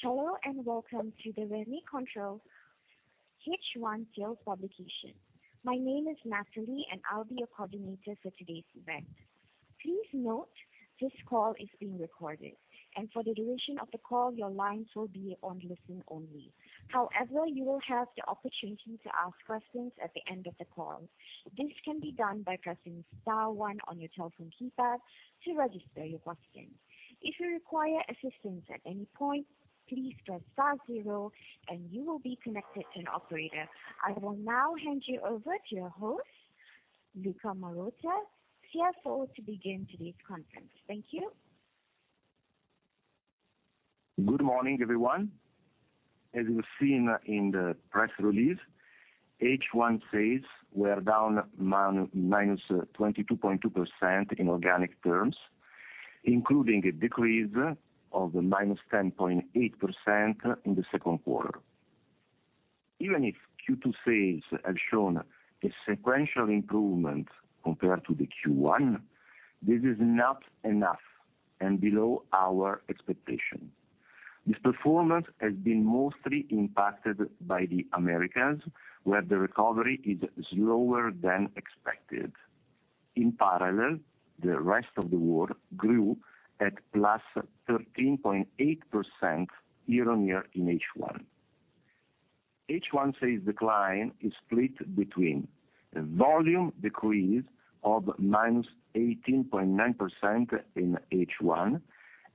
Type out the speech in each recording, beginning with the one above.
Hello, and welcome to the Rémy Cointreau H1 sales publication. My name is Natalie, and I'll be your coordinator for today's event. Please note, this call is being recorded, and for the duration of the call, your lines will be on listen only. However, you will have the opportunity to ask questions at the end of the call. This can be done by pressing star one on your telephone keypad to register your question. If you require assistance at any point, please press star zero and you will be connected to an operator. I will now hand you over to your host, Luca Marotta, CFO, to begin today's conference. Thank you. Good morning, everyone. As you've seen in the press release, H1 sales were down minus 22.2% in organic terms, including a decrease of -10.8% in the second quarter. Even if Q2 sales have shown a sequential improvement compared to the Q1, this is not enough and below our expectation. This performance has been mostly impacted by the Americas, where the recovery is slower than expected. In parallel, the rest of the world grew at +13.8% year-on-year in H1. H1 sales decline is split between a volume decrease of minus 18.9% in H1,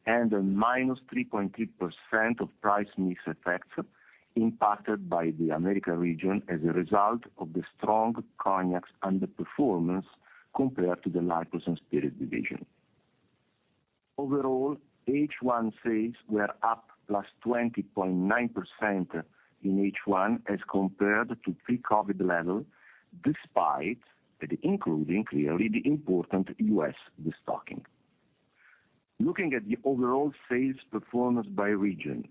and a minus 3.3% of price-mix effects impacted by the Americas region as a result of the strong cognacs underperformance compared to the Liqueurs & Spirits division. Overall, H1 sales were up +20.9% in H1 as compared to pre-COVID level, despite and including, clearly, the important U.S. restocking. Looking at the overall sales performance by region.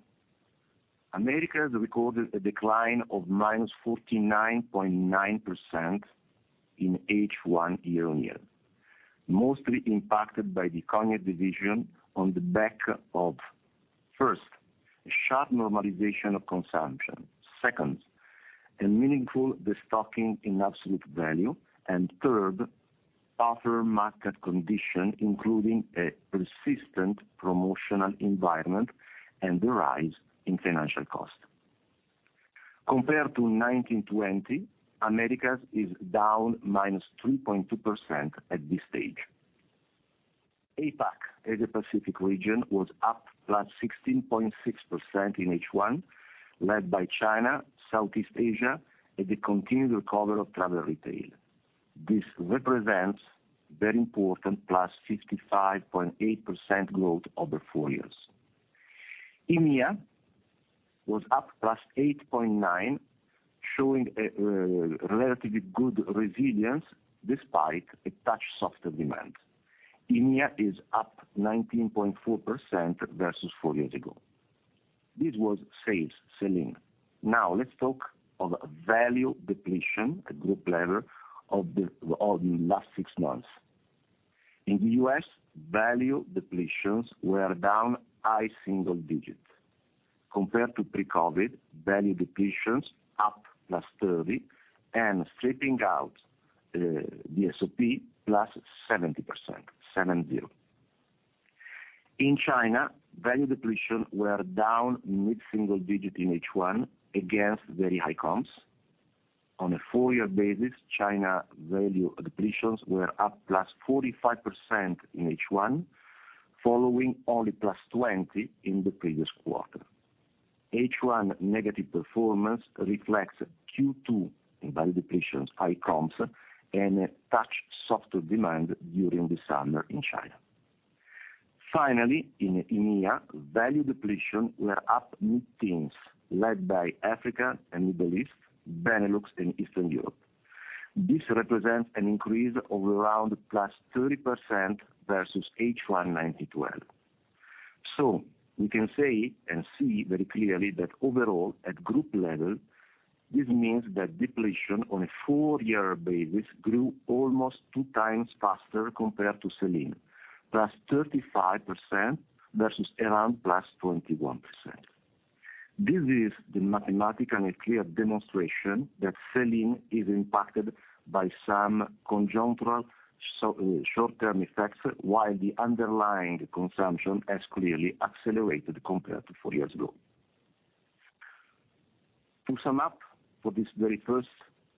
Americas recorded a decline of -49.9% in H1, year-on-year, mostly impacted by the Cognac division on the back of, first, a sharp normalization of consumption. Second, a meaningful destocking in absolute value. And third, tougher market condition, including a persistent promotional environment and the rise in financial cost. Compared to 2019-2020, Americas is down -3.2% at this stage. APAC, Asia Pacific region, was up +16.6% in H1, led by China, Southeast Asia, and the continued recovery of Travel Retail. This represents very important +55.8% growth over four years. EMEA was up +8.9%, showing a relatively good resilience despite a touch softer demand. EMEA is up 19.4% versus four years ago. This was sell-in. Now, let's talk of value depletion at group level of the last six months. In the US, value depletions were down high single digits. Compared to pre-COVID, value depletions up +30, and stripping out the SOP +70%, 70. In China, value depletion were down mid-single digit in H1 against very high comps. On a four-year basis, China value depletions were up +45% in H1, following only +20 in the previous quarter. H1 negative performance reflects Q2 value depletions, high comps, and a touch softer demand during the summer in China. Finally, in EMEA, value depletion were up mid-teens, led by Africa and Middle East, Benelux, and Eastern Europe. This represents an increase of around +30% versus H1 2012. So we can say and see very clearly that overall, at group level, this means that depletion on a four-year basis grew almost two times faster compared to selling, +35% versus around +21%. This is the mathematical and clear demonstration that selling is impacted by some conjuncture, so, short-term effects, while the underlying consumption has clearly accelerated compared to four years ago. To sum up, for this very first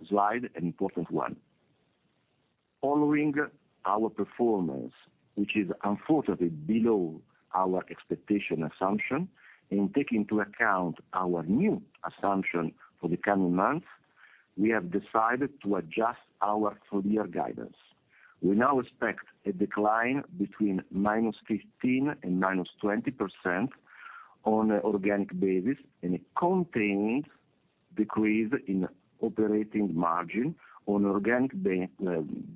slide, an important one. Following our performance, which is unfortunately below our expectation assumption, and take into account our new assumption for the coming months, we have decided to adjust our full-year guidance. We now expect a decline between -15% and -20% on an organic basis, and a contained decrease in operating margin on an organic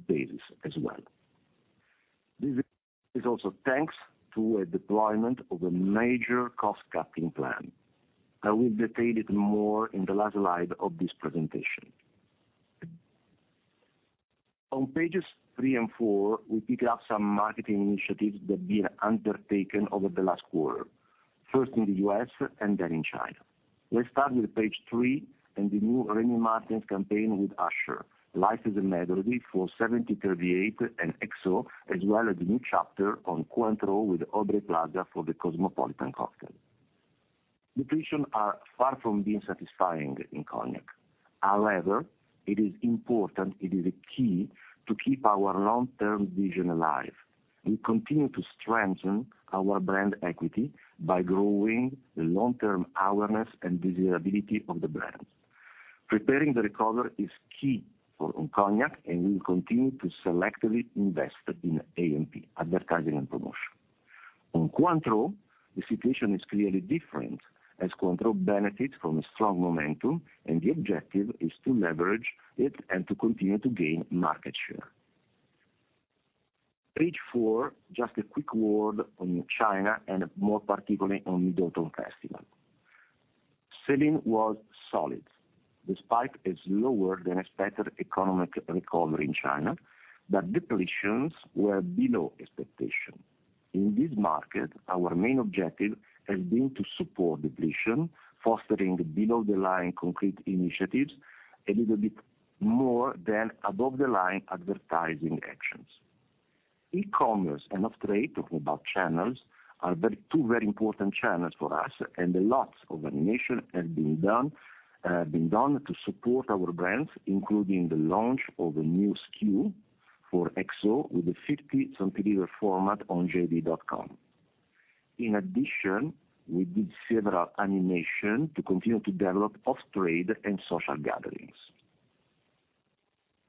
basis as well. This is also thanks to a deployment of a major cost-cutting plan. I will detail it more in the last slide of this presentation. On pages 3 and 4, we pick up some marketing initiatives that have been undertaken over the last quarter, first in the U.S. and then in China. Let's start with page 3 and the new Rémy Martin campaign with Usher, Life is a Melody for 1738 and XO, as well as a new chapter on Cointreau with Aubrey Plaza for the Cosmopolitan cocktail. Depletions are far from being satisfying in Cognac. However, it is important, it is a key to keep our long-term vision alive. We continue to strengthen our brand equity by growing the long-term awareness and desirability of the brands. Preparing the recovery is key for on Cognac, and we will continue to selectively invest in A&P, advertising and promotion. On Cointreau, the situation is clearly different, as Cointreau benefits from a strong momentum, and the objective is to leverage it and to continue to gain market share. Page four, just a quick word on China and more particularly, on the Mid-Autumn Festival. Sell-in was solid, despite a slower than expected economic recovery in China, but depletions were below expectation. In this market, our main objective has been to support depletion, fostering below-the-line concrete initiatives a little bit more than above-the-line advertising actions. E-commerce and off-trade, talking about channels, are two very important channels for us, and a lot of animation has been done to support our brands, including the launch of a new SKU for XO with a 50 centiliter format on JD.com. In addition, we did several animation to continue to develop off-trade and social gatherings.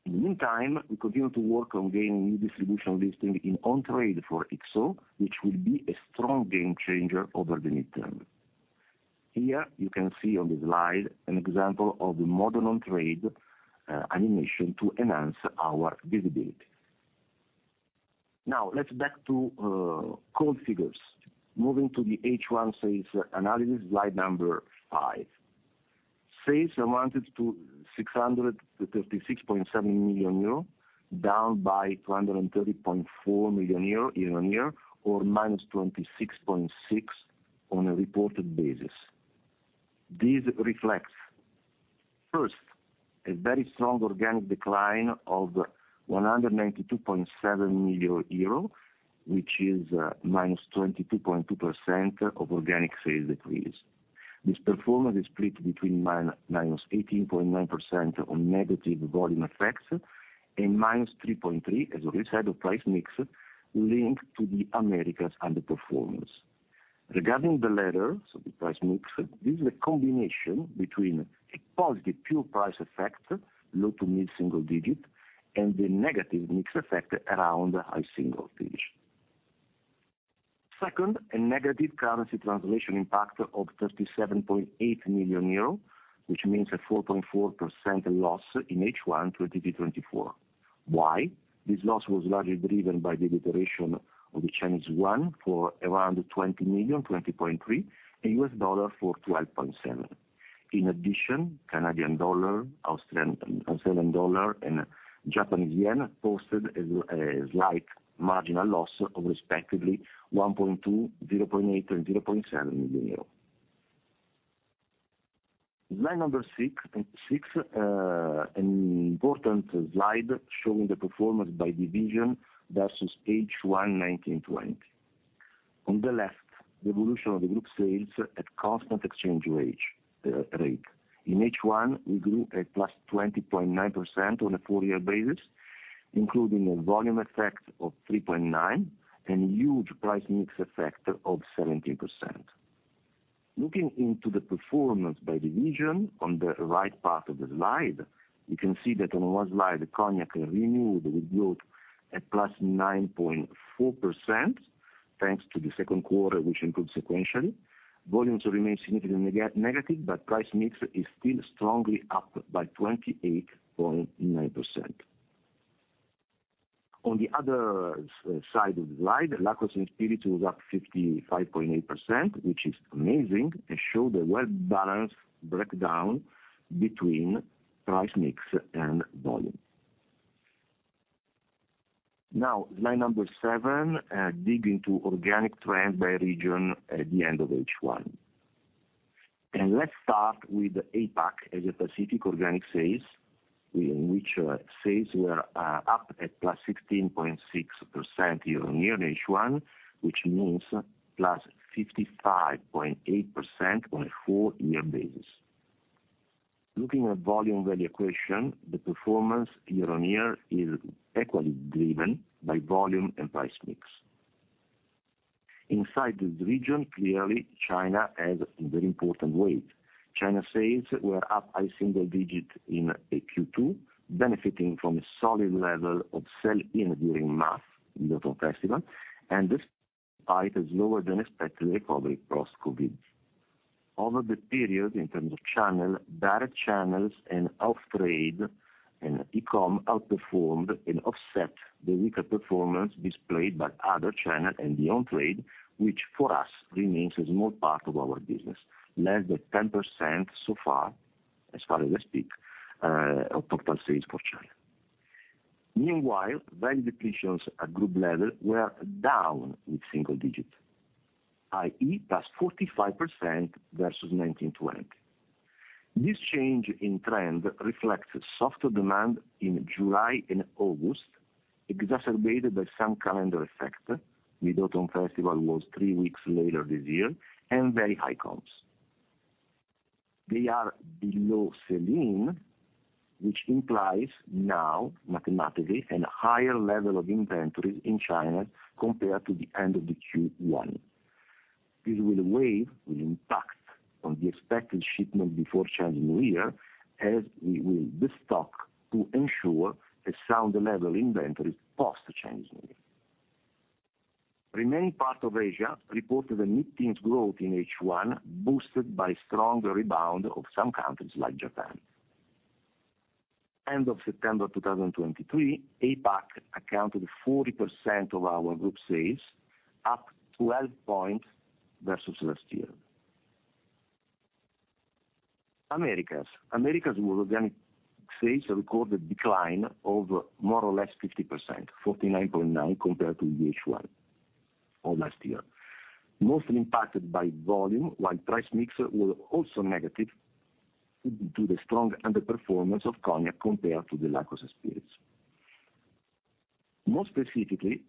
In the meantime, we continue to work on gaining new distribution listing in on-trade for XO, which will be a strong game changer over the midterm. Here, you can see on the slide an example of the modern on-trade animation to enhance our visibility. Now, let's back to cold figures. Moving to the H1 sales analysis, slide number 5. Sales amounted to 636.7 million euro, down by 230.4 million euro year-on-year, or -26.6% on a reported basis. This reflects, first, a very strong organic decline of 192.7 million euro, which is -22.2% of organic sales decrease. This performance is split between -18.9% on negative volume effects and -3.3, as already said, of price mix linked to the Americas underperformance. Regarding the latter, so the price mix, this is a combination between a positive pure price effect, low to mid-single digit, and the negative mix effect around a high single digit. Second, a negative currency translation impact of 37.8 million euro, which means a 4.4% loss in H1 2024. Why? This loss was largely driven by the deterioration of the Chinese yuan for around 20.3 million, and U.S. dollar for 12.7 million. In addition, Canadian dollar, Australian dollar, and Japanese yen posted a slight marginal loss of respectively 1.2 million, 0.8 million, and 0.7 million euro. Slide number 6, and 6, an important slide showing the performance by division versus H1 2019/2020. On the left, the evolution of the group sales at constant exchange rate. In H1, we grew at +20.9% on a four-year basis, including a volume effect of 3.9 and huge price mix effect of 17%. Looking into the performance by division on the right part of the slide, you can see that on one slide, the Cognac renewed with growth at +9.4%, thanks to the second quarter, which improved sequentially. Volumes remain significantly negative, but price-mix is still strongly up by 28.9%. On the other side of the slide, liqueurs and spirits was up 55.8%, which is amazing, and show the well-balanced breakdown between price-mix and volume. Now, slide number 7, dig into organic trend by region at the end of H1. Let's start with the APAC, Asia Pacific organic sales, in which sales were up at +16.6% year-on-year in H1, which means +55.8% on a 4-year basis. Looking at volume value equation, the performance year-on-year is equally driven by volume and price mix. Inside this region, clearly, China has a very important weight. China sales were up high single digit in a Q2, benefiting from a solid level of sell-in during March Mid-Autumn Festival, and despite a slower than expected recovery post-COVID. Over the period, in terms of channel, direct channels and off-trade and e-com outperformed and offset the weaker performance displayed by other channel and the on-trade, which for us remains a small part of our business, less than 10% so far, as far as I speak, of total sales for China. Meanwhile, value depletions at group level were down with single digits, i.e., +45% versus 2019-2020. This change in trend reflects softer demand in July and August, exacerbated by some calendar effect. Mid-Autumn Festival was 3 weeks later this year, and very high comps. They are below sell-in, which implies now mathematically, a higher level of inventory in China compared to the end of the Q1. This will have an impact on the expected shipment before Chinese New Year, as we build the stock to ensure a sound level of inventory post-Chinese New Year. The remaining part of Asia reported a mid-teens growth in H1, boosted by stronger rebound of some countries like Japan. End of September 2023, APAC accounted for 40% of our group sales, up 12 points versus last year. Americas. Americas organic sales recorded a decline of more or less 50%, 49.9%, compared to H1 of last year. Mostly impacted by volume, while price-mix was also negative due to the strong underperformance of cognac compared to the liqueur spirits. More specifically,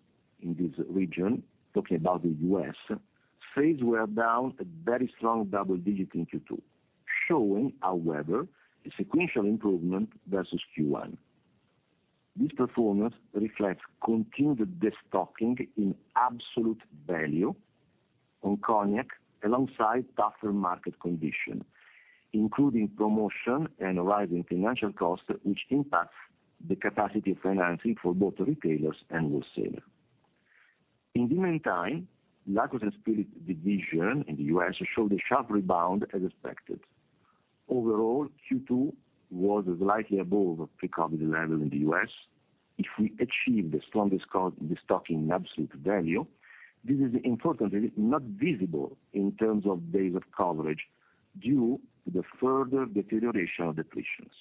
in this region, talking about the U.S., sales were down a very strong double-digit in Q2, showing, however, a sequential improvement versus Q1. This performance reflects continued destocking in absolute value on Cognac, alongside tougher market condition, including promotion and a rise in financial costs, which impacts the capacity of financing for both retailers and wholesaler. In the meantime, liquors and spirit division in the U.S. showed a sharp rebound as expected. Overall, Q2 was slightly above pre-COVID level in the U.S. If we achieve the strongest destocking in absolute value, this is importantly not visible in terms of days of coverage, due to the further deterioration of depletions.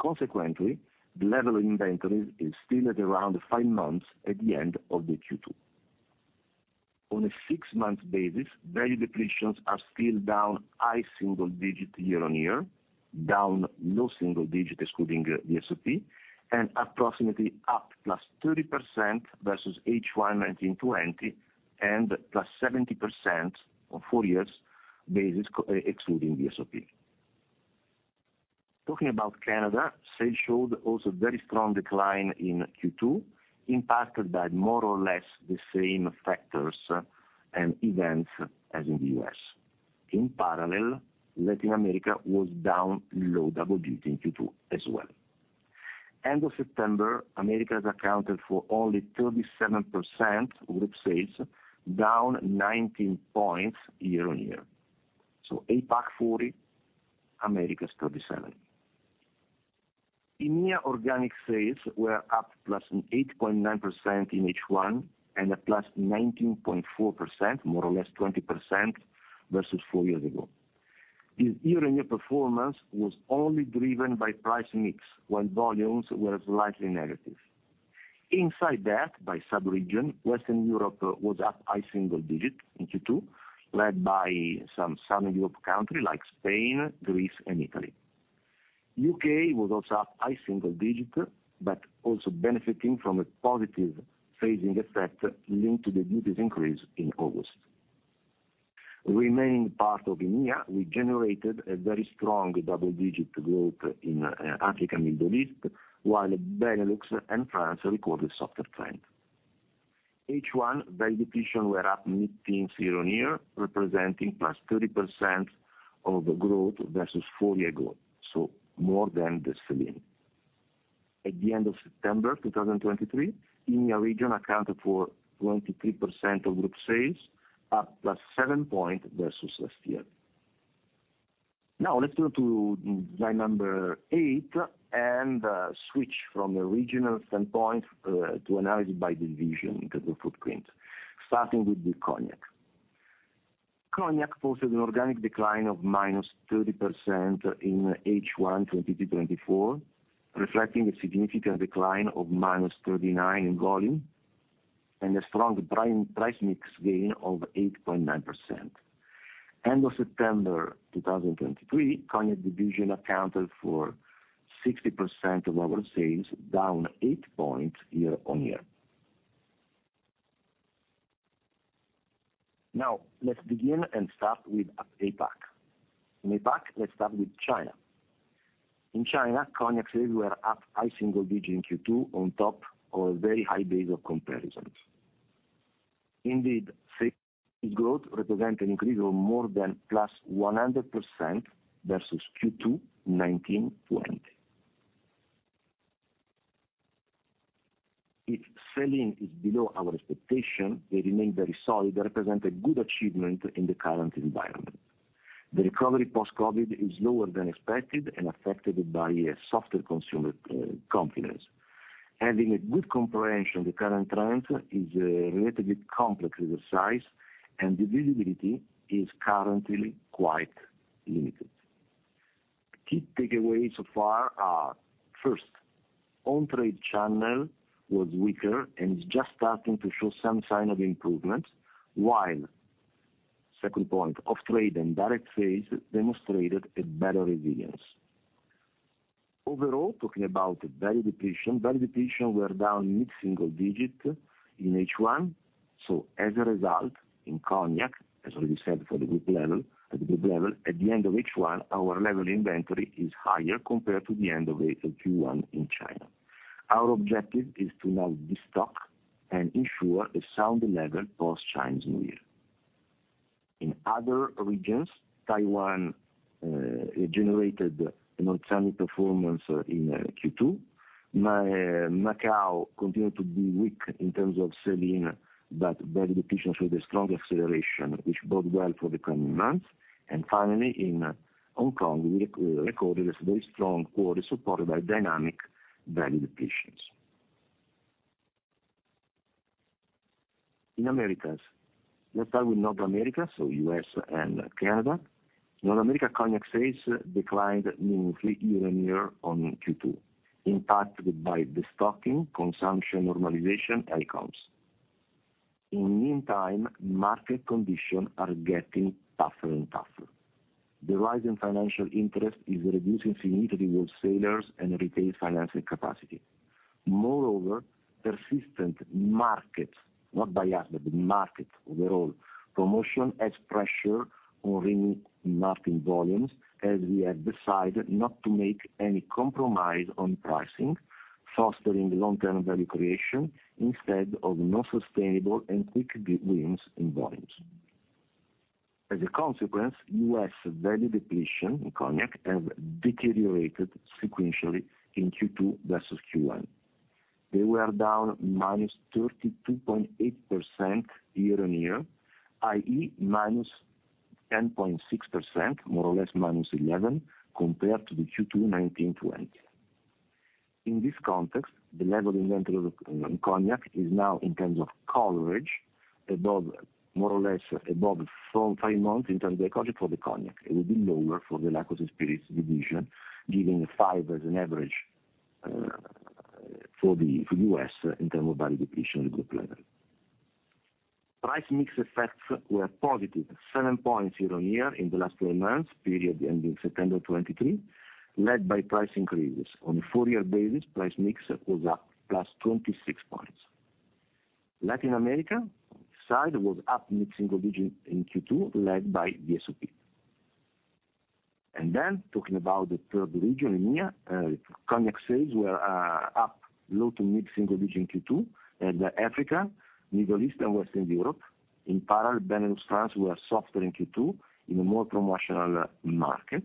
Consequently, the level of inventories is still at around five months at the end of the Q2. On a six-month basis, value depletions are still down high single digit year-on-year, down low single digit, excluding VSOP, and approximately up +30% versus H1 2019/2020, and +70% on 4 years basis, excluding VSOP. Talking about Canada, sales showed also very strong decline in Q2, impacted by more or less the same factors and events as in the U.S.. In parallel, Latin America was down low double digit in Q2 as well. End of September, Americas accounted for only 37% group sales, down 19 points year-on-year. So APAC, 40%; Americas, 37%. EMEA organic sales were up +8.9% in H1 and a +19.4%, more or less 20%, versus 4 years ago. This year-on-year performance was only driven by price mix, while volumes were slightly negative. Inside that, by sub-region, Western Europe was up high single-digit in Q2, led by some Southern Europe countries like Spain, Greece and Italy. U.K. was also up high single-digit, but also benefiting from a positive phasing effect linked to the duties increase in August. Remaining part of EMEA, we generated a very strong double-digit growth in Africa, Middle East, while Benelux and France recorded softer trend. H1, value depletions were up mid-teens year-on-year, representing +30% of the growth versus four years ago, so more than the ceiling. At the end of September 2023, EMEA region accounted for 23% of group sales, up +7 points versus last year. Now, let's go to slide number 8 and switch from a regional standpoint to analysis by division, because of footprint, starting with the cognac. Cognac posted an organic decline of -30% in H1 2024, reflecting a significant decline of -39% in volume and a strong price mix gain of 8.9%. End of September 2023, cognac division accounted for 60% of our sales, down 8 points year-on-year. Now, let's begin and start with APAC. In APAC, let's start with China. In China, cognac sales were up high single digit in Q2, on top of a very high base of comparison. Indeed, sales growth represent an increase of more than +100% versus Q2 2019/2020. If sell-in is below our expectation, they remain very solid, represent a good achievement in the current environment. The recovery post-COVID is lower than expected and affected by a softer consumer confidence. Having a good comprehension of the current trend is, relatively complex in the size, and the visibility is currently quite limited. Key takeaways so far are, first, on-trade channel was weaker and is just starting to show some sign of improvement, while, second point, off-trade and direct sales demonstrated a better resilience. Overall, talking about value depletions, value depletions were down mid-single digit in H1. So as a result, in cognac, as already said, for the group level, at the group level, at the end of H1, our level inventory is higher compared to the end of Q1 in China. Our objective is to now destock and ensure a sound level post Chinese New Year. In other regions, Taiwan generated an outstanding performance in Q2. Macau continued to be weak in terms of selling, but value depletion showed a strong acceleration, which bode well for the coming months. Finally, in Hong Kong, we recorded a very strong quarter, supported by dynamic value depletions. In Americas, let's start with North America, so U.S. and Canada. North America cognac sales declined meaningfully year-on-year on Q2, impacted by destocking, consumption normalization, and comps. In the meantime, market conditions are getting tougher and tougher. The rise in financial interest is reducing significantly wholesalers and retail financing capacity. Moreover, persistent markets, not by us, but the market overall, promotion adds pressure on renew marketing volumes, as we have decided not to make any compromise on pricing, fostering long-term value creation instead of non-sustainable and quick wins in volumes. As a consequence, U.S. value depletion in cognac have deteriorated sequentially in Q2 versus Q1. They were down -32.8% year-on-year, i.e., -10.6%, more or less -11%, compared to the Q2 1920. In this context, the level of inventory of cognac is now in terms of coverage, above, more or less above 4, 5 months in terms of coverage for the cognac. It will be lower for the liqueurs and spirits division, giving 5 as an average, for the US in terms of value depletion at group level. Price mix effects were positive 7 points year-on-year in the last twelve months, period ending September 2023, led by price increases. On a full year basis, price mix was up +26 points. Latin America side was up mid-single digit in Q2, led by VSOP. Then talking about the third region, EMEA, cognac sales were up low- to mid-single-digit in Q2, and Africa, Middle East and Western Europe. In parallel, Benelux, France were softer in Q2 in a more promotional market.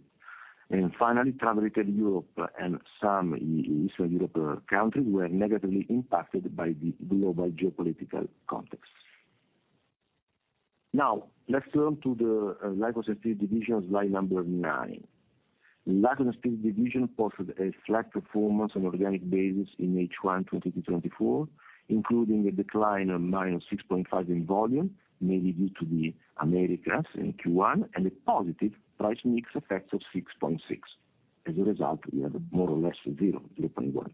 And finally, travel retail Europe and some Eastern Europe countries were negatively impacted by the global geopolitical context. Now, let's turn to the liqueurs and spirits division, slide 9. Liqueurs and spirits division posted a flat performance on organic basis in H1 2024, including a decline of -6.5 in volume, mainly due to the Americas in Q1, and a positive price-mix effect of 6.6. As a result, we have more or less 0.3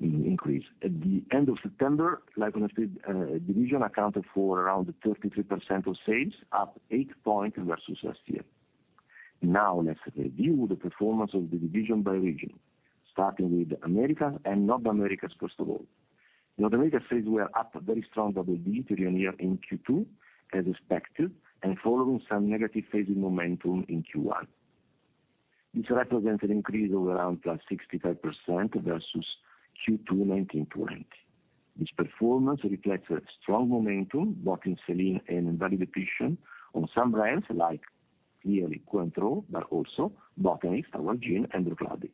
increase. At the end of September, liqueurs and spirits division accounted for around 33% of sales, up 8 points versus last year. Now, let's review the performance of the division by region, starting with the Americas and North America, first of all. North America sales were up a very strong double-digit year-on-year in Q2, as expected, and following some negative phasing momentum in Q1. This represents an increase of around +65% versus Q2 2019/20. This performance reflects a strong momentum, both in sell-in and in value depletions on some brands, like clearly Cointreau, but also Botanist, our gin, and Bruichladdich.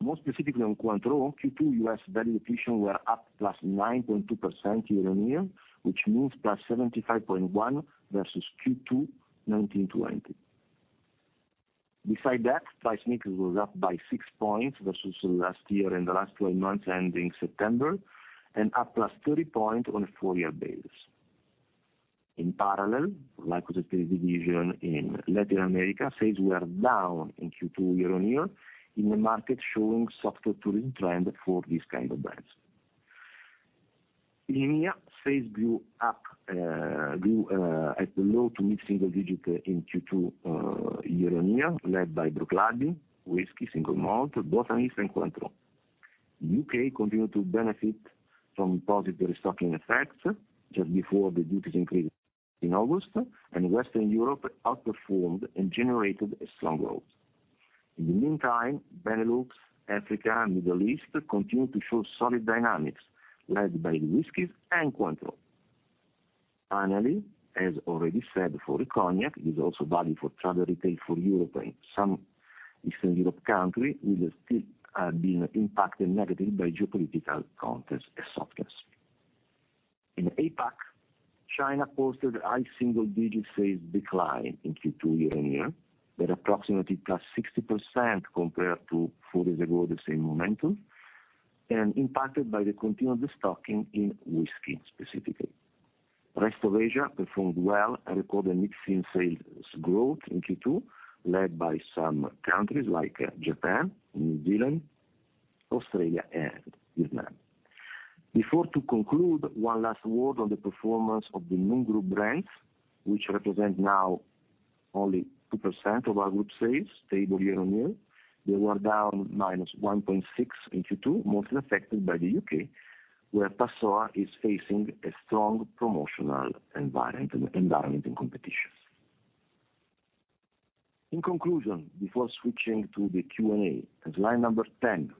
More specifically on Cointreau, Q2 U.S. value depletions were up +9.2% year-on-year, which means +75.1 versus Q2 2019/2020. Besides that, price-mix was up by 6 points versus last year in the last twelve months, ending September, and up +30 points on a full year basis. In parallel, liqueurs and spirits division in Latin America, sales were down in Q2 year-on-year, in a market showing softer touring trend for these kind of brands. EMEA sales grew at low- to mid-single-digit in Q2 year-on-year, led by Bruichladdich, whiskey, single malt, Botanist, and Cointreau. U.K. continued to benefit from positive restocking effects just before the duties increase in August, and Western Europe outperformed and generated a strong growth. In the meantime, Benelux, Africa, and Middle East continued to show solid dynamics, led by whiskeys and Cointreau. Finally, as already said, for the cognac, it is also value for travel retail for Europe and some Eastern Europe country, which are still being impacted negatively by geopolitical context and softness. In APAC, China posted a high single-digit sales decline in Q2 year-on-year, but approximately +60% compared to four years ago, the same momentum, and impacted by the continued destocking in whiskey, specifically. The rest of Asia performed well and recorded mid-single sales growth in Q2, led by some countries like Japan, New Zealand, Australia, and Vietnam. Before to conclude, one last word on the performance of the non-group brands, which represent now only 2% of our group sales, stable year-on-year. They were down -1.6% in Q2, mostly affected by the U.K., where Passoã is facing a strong promotional environment and, environment and competition. In conclusion, before switching to the Q&A, as slide number 10,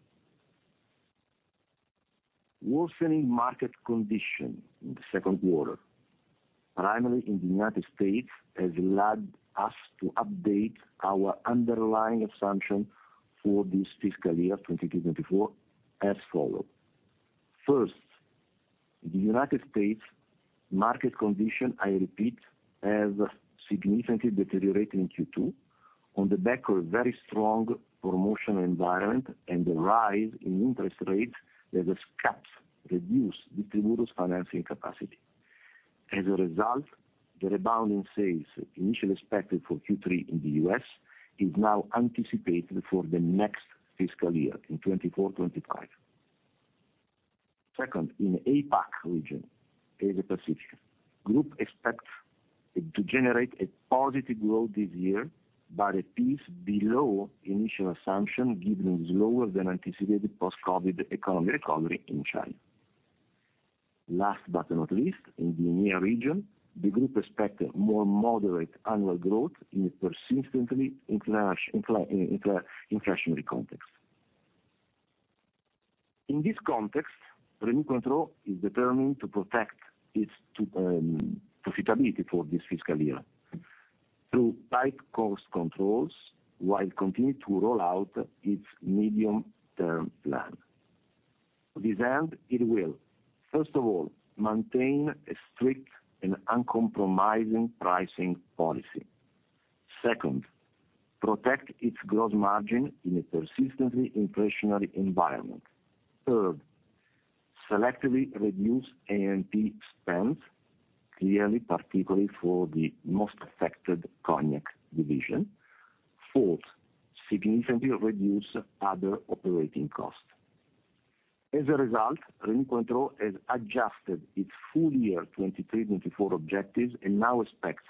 worsening market condition in the second quarter, primarily in the United States, has led us to update our underlying assumption for this fiscal year, 2022-2024, as follows: First, the United States market condition, I repeat, has significantly deteriorated in Q2 on the back of a very strong promotional environment and the rise in interest rates that has caps reduced distributors' financing capacity. As a result, the rebound in sales initially expected for Q3 in the US is now anticipated for the next fiscal year, in 2024-2025. Second, in the APAC region, Asia Pacific, group expects it to generate a positive growth this year, but a piece below initial assumption, given slower than anticipated post-COVID economic recovery in China. Last but not least, in the EMEA region, the group expect more moderate annual growth in a persistently inflationary context. In this context, Rémy Cointreau is determined to protect its profitability for this fiscal year through tight cost controls, while continuing to roll out its medium-term plan. To this end, it will, first of all, maintain a strict and uncompromising pricing policy. Second, protect its gross margin in a persistently inflationary environment. Third, selectively reduce A&P spends, clearly, particularly for the most affected cognac division. Fourth, significantly reduce other operating costs. As a result, Rémy Cointreau has adjusted its full-year 2023-2024 objectives and now expects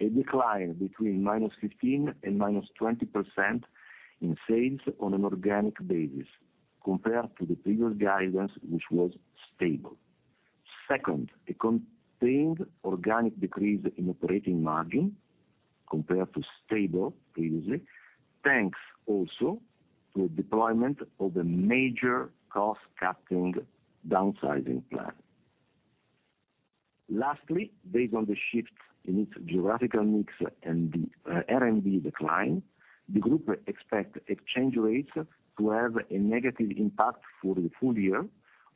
a decline between -15% and -20% in sales on an organic basis compared to the previous guidance, which was stable. Second, a contained organic decrease in operating margin compared to stable previously, thanks also to the deployment of a major cost-cutting downsizing plan. Lastly, based on the shift in its geographical mix and the RMB decline, the group expect exchange rates to have a negative impact for the full year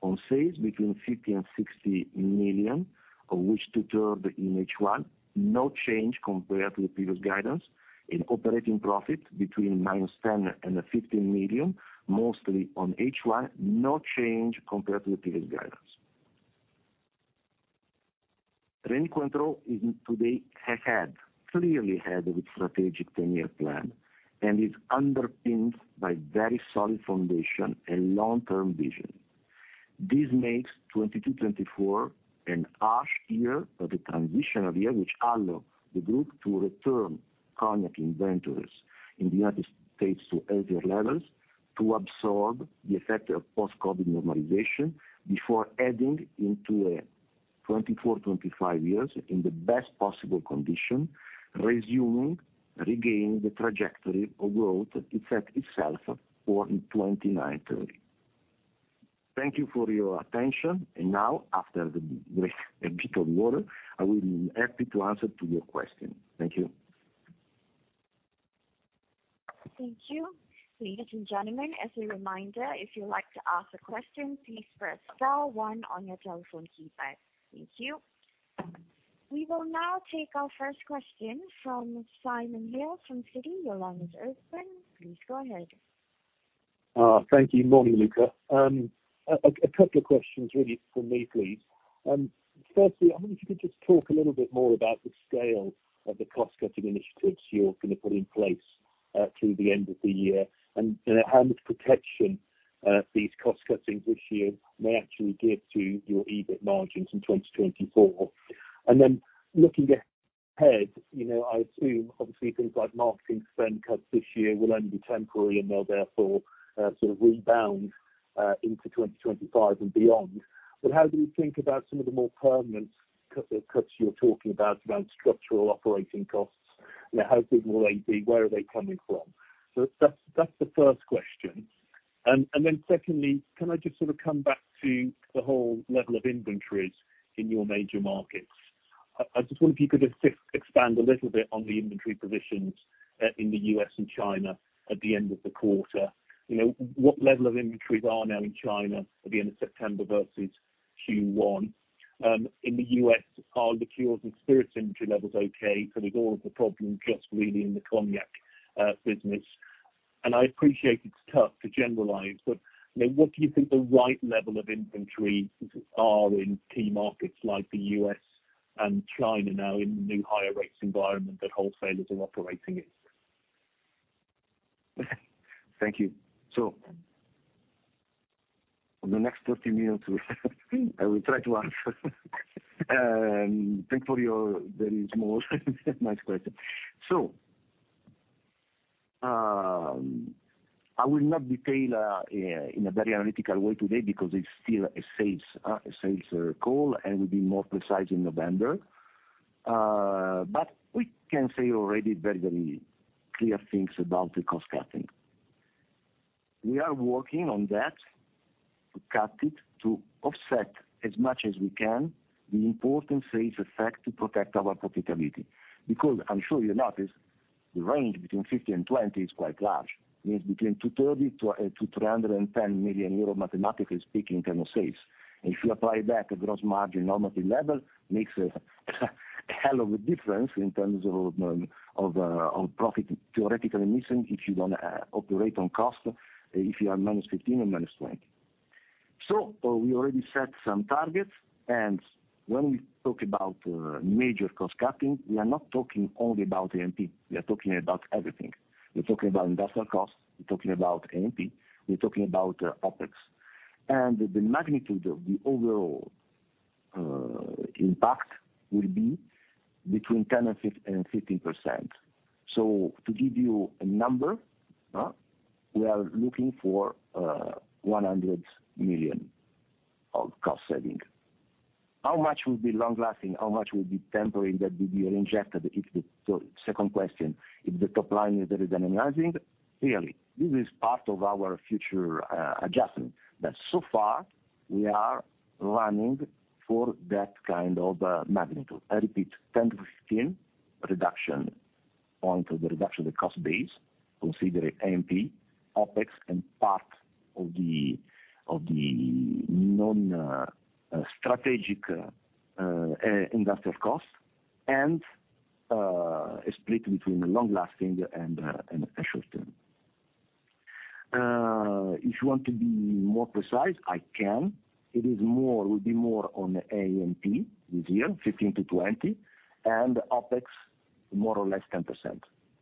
on sales between 50 million and 60 million, of which two-thirds in H1, no change compared to the previous guidance in operating profit between -10 million and 15 million, mostly on H1, no change compared to the previous guidance. Rémy Cointreau is today ahead, clearly ahead of its strategic ten-year plan and is underpinned by very solid foundation and long-term vision. This makes 2022-2024 a harsh year, but a transitional year, which allow the group to return cognac inventories in the United States to healthier levels, to absorb the effect of post-COVID normalization before adding into a 2024-2025 years in the best possible condition, resuming, regaining the trajectory of growth it set itself for in 2029-2030. Thank you for your attention. Now, after a bit of water, I will be happy to answer to your question. Thank you. Thank you. Ladies and gentlemen, as a reminder, if you'd like to ask a question, please press star one on your telephone keypad. Thank you. We will now take our first question from Simon Hales, from Citi. Your line is open. Please go ahead. Thank you. Morning, Luca. A couple of questions really from me, please. Firstly, I wonder if you could just talk a little bit more about the scale of the cost-cutting initiatives you're gonna put in place through the end of the year, and how much protection these cost cuttings this year may actually give to your EBIT margins in 2024? And then looking ahead, you know, I assume obviously things like marketing spend cuts this year will only be temporary, and they'll therefore sort of rebound into 2025 and beyond. But how do you think about some of the more permanent cut cuts you're talking about around structural operating costs? You know, how big will they be? Where are they coming from? So that's the first question. And then secondly, can I just sort of come back to the whole level of inventories in your major markets? I just wonder if you could just expand a little bit on the inventory positions in the U.S. and China at the end of the quarter. You know, what level of inventories are now in China at the end of September versus Q1? In the U.S., are liqueurs and spirits inventory levels okay, so is all of the problem just really in the cognac business? And I appreciate it's tough to generalize, but I mean, what do you think the right level of inventories are in key markets like the U.S. and China now in the new higher rates environment that wholesalers are operating in? Thank you. So in the next 30 minutes, I will try to answer. Thank for your very small, nice question. So, I will not detail in a very analytical way today because it's still a sales, a sales call, and will be more precise in November. But we can say already very, very clear things about the cost cutting. We are working on that, to cut it, to offset as much as we can the important sales effect, to protect our profitability. Because I'm sure you notice, the range between 15-20 is quite large, means between 230 million-310 million euros, mathematically speaking, in terms of sales. If you apply back a gross margin normative level, makes a hell of a difference in terms of of profit theoretically missing if you don't operate on cost, if you are -15 or -20. So we already set some targets, and when we talk about major cost cutting, we are not talking only about A&P, we are talking about everything. We're talking about industrial costs, we're talking about A&P, we're talking about OpEx. And the magnitude of the overall impact will be between 10%-15%. So to give you a number, we are looking for 100 million of cost saving. How much will be long lasting? How much will be temporary that will be injected, it's the so second question, if the top line is very analyzing? Clearly, this is part of our future adjustment, but so far, we are running for that kind of magnitude. I repeat, 10-15 reduction point of the reduction of the cost base, considering A&P, OpEx, and part of the non-strategic industrial costs, and a split between long lasting and short-term. If you want to be more precise, I can. It is more, will be more on A&P this year, 15-20, and OpEx, more or less 10%.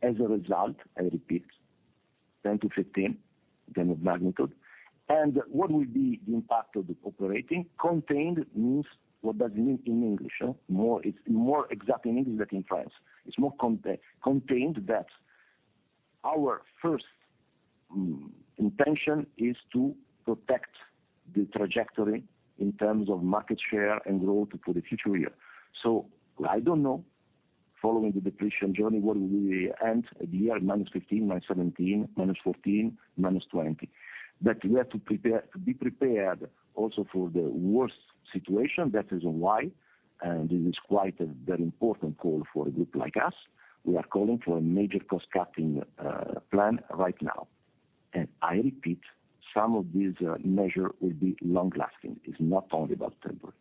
As a result, I repeat, 10-15, then of magnitude. And what will be the impact of the operating? Contained means, what does it mean in English, more, it's more exact in English than in French. It's more contained that our first intention is to protect the trajectory in terms of market share and growth for the future year. So I don't know, following the depletion journey, what will be the end of the year, -15%, -17%, -14%, -20%. But we have to prepare be prepared also for the worst situation. That is why, and this is quite a very important call for a group like us, we are calling for a major cost-cutting plan right now. And I repeat, some of these measure will be long lasting. It's not only about temporary.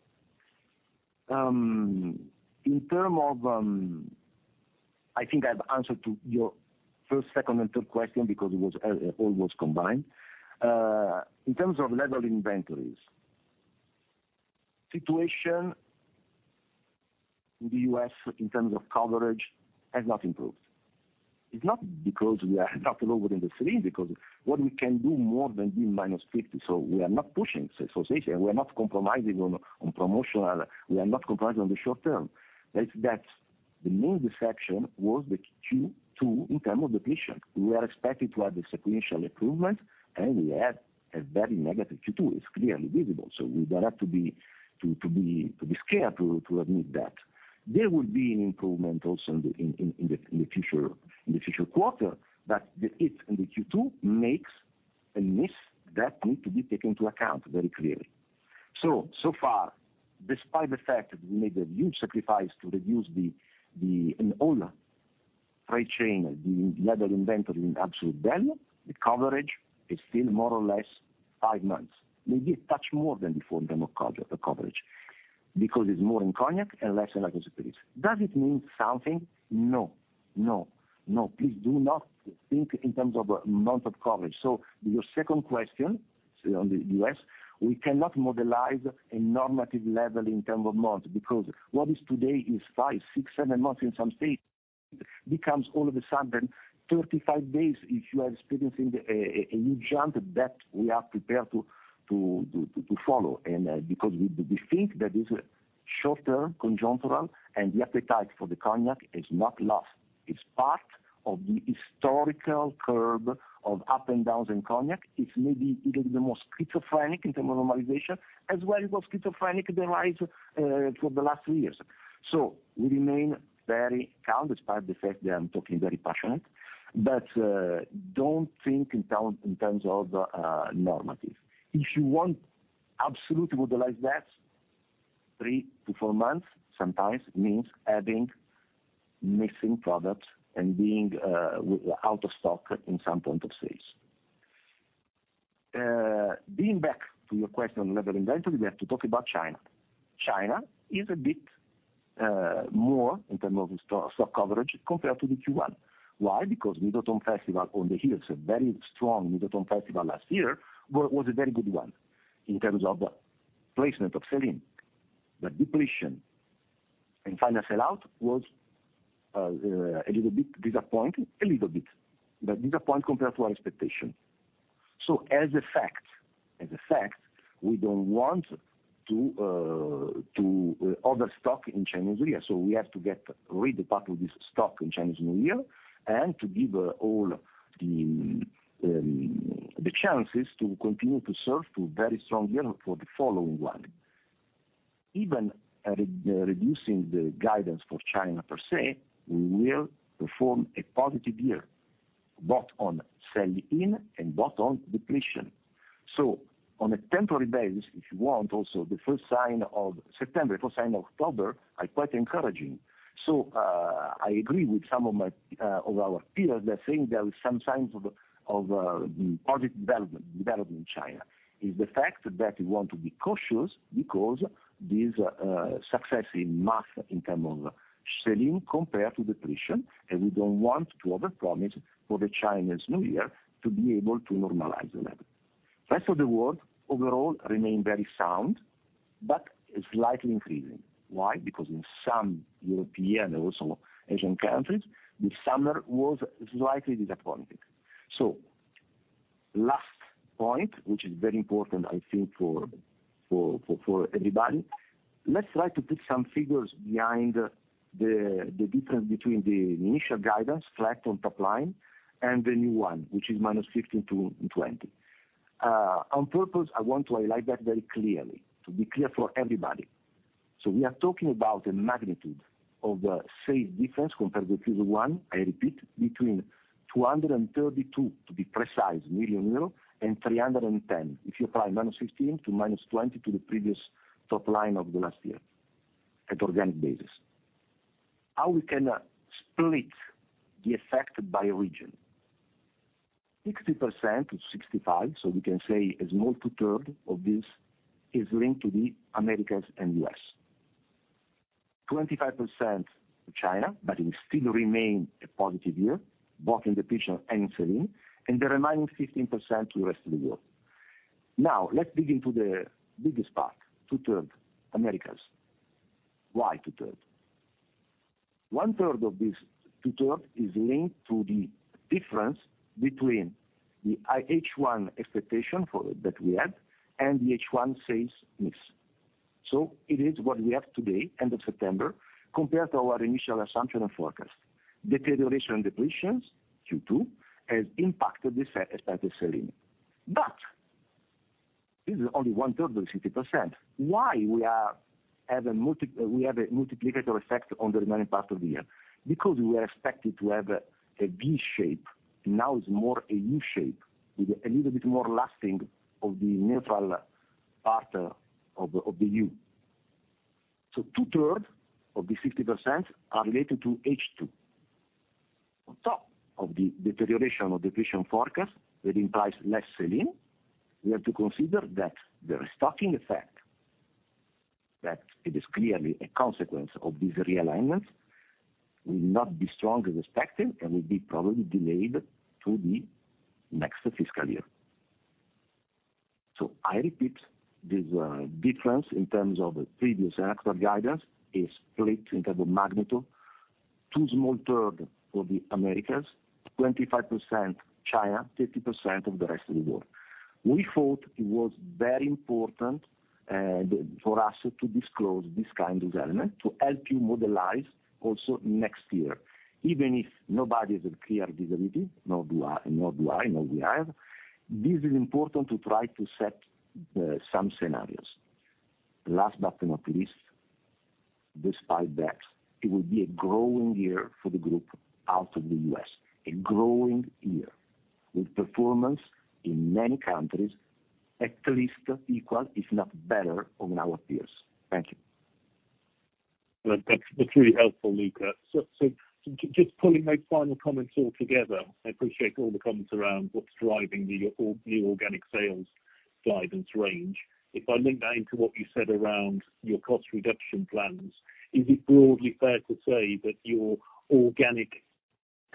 I think I've answered to your first, second and third question because it was all was combined. In terms of level inventories, situation in the U.S. in terms of coverage has not improved. It's not because we are not lower than the because what we can do more than being -50, so we are not pushing, so we are not compromising on promotional, we are not compromising on the short-term. It's that the main disappointment was the Q2 in terms of depletion. We expected to have a sequential improvement, and we had a very negative Q2. It's clearly visible, so we don't have to be scared to admit that. There will be an improvement also in the future quarters, but the Q2 makes a miss that needs to be taken into account very clearly. So far, despite the fact that we made a huge sacrifice to reduce the in all trade chain, the level inventory in absolute value, the coverage is still more or less five months, maybe a touch more than before in terms of the coverage, because it's more in Cognac and less in other spirits. Does it mean something? No. No. No, please do not think in terms of months of coverage. Your second question, on the U.S., we cannot modelize a normative level in terms of months, because what is today is five, six, seven months in some states, becomes all of a sudden 35 days if you are experiencing a huge jump that we are prepared to follow. And because we think that is a short-term conjunctural, and the appetite for the Cognac is not lost. It's part of the historical curve of ups and downs in cognac. It's maybe even the most schizophrenic in terms of normalization, as well as schizophrenic, the rise for the last two years. So we remain very calm, despite the fact that I'm talking very passionate, but don't think in terms of normative. If you want, absolutely modelize that, 3 months-4 months sometimes means having missing products and being out of stock in some points of sale. Being back to your question on inventory levels, we have to talk about China. China is a bit more in terms of stock coverage compared to the Q1. Why? Because Mid-Autumn Festival on the heels, a very strong Mid-Autumn Festival last year was a very good one in terms of placement of selling. The depletion and final sell-out was a little bit disappointing, a little bit, but disappointing compared to our expectation. So as a fact, we don't want to overstock in Chinese New Year, so we have to get rid of part of this stock in Chinese New Year, and to give all the chances to continue to serve the very strong year for the following one. Even after reducing the guidance for China per se, we will perform a positive year, both on sell-in and on depletion. So on a temporary basis, if you want, also, the first sign of September, first sign of October, are quite encouraging. So I agree with some of my of our peers; they're saying there is some signs of positive development in China. It's the fact that we want to be cautious because this success in mass in term of selling compared to depletion, and we don't want to overpromise for the Chinese New Year to be able to normalize the level. Rest of the world, overall, remain very sound, but slightly increasing. Why? Because in some European and also Asian countries, the summer was slightly disappointing. So last point, which is very important I think for everybody. Let's try to put some figures behind the difference between the initial guidance, flat on top line, and the new one, which is -15 to -20. On purpose, I want to highlight that very clearly, to be clear for everybody. So we are talking about a magnitude of, say, difference compared to Q1, I repeat, between 232 million, to be precise, and 310 million. If you apply -15% to -20% to the previous top line of the last year at organic basis. How we can split the effect by region? 60%-65%, so we can say a small two-thirds of this is linked to the Americas and U.S.. 25% China, but it still remain a positive year, both in depletions and sell-in, and the remaining 15% to the rest of the world. Now, let's dig into the biggest part, two-thirds, Americas. Why two-thirds? One-third of this two-thirds is linked to the difference between the H1 expectation for that we had, and the H1 sales mix. So it is what we have today, end of September, compared to our initial assumption and forecast. Deterioration in depletions, Q2, has impacted the sell-in expected selling. But this is only one-third of 60%. Why we have a multiplicative effect on the remaining part of the year? Because we are expected to have a V shape, now it's more a U shape, with a little bit more lasting of the neutral part of the U. So two-thirds of the 60% are related to H2. On top of the deterioration of depletion forecast, that implies less selling, we have to consider that the restocking effect, that it is clearly a consequence of these realignments, will not be strong as expected and will be probably delayed to the next fiscal year. I repeat, this difference in terms of previous and extra guidance is split in terms of magnitude. Two-thirds for the Americas, 25% China, 30% of the rest of the world. We thought it was very important for us to disclose this kind of element, to help you modelize also next year, even if nobody has a clear visibility, nor do I, nor do I, nor we have. This is important to try to set some scenarios. Last but not least, despite that, it will be a growing year for the group out of the U.S. A growing year, with performance in many countries, at least equal, if not better, on our peers. Thank you. Well, that's truly helpful, Luca. So, just pulling my final comments all together, I appreciate all the comments around what's driving the organic sales guidance range. If I link that into what you said around your cost reduction plans, is it broadly fair to say that your organic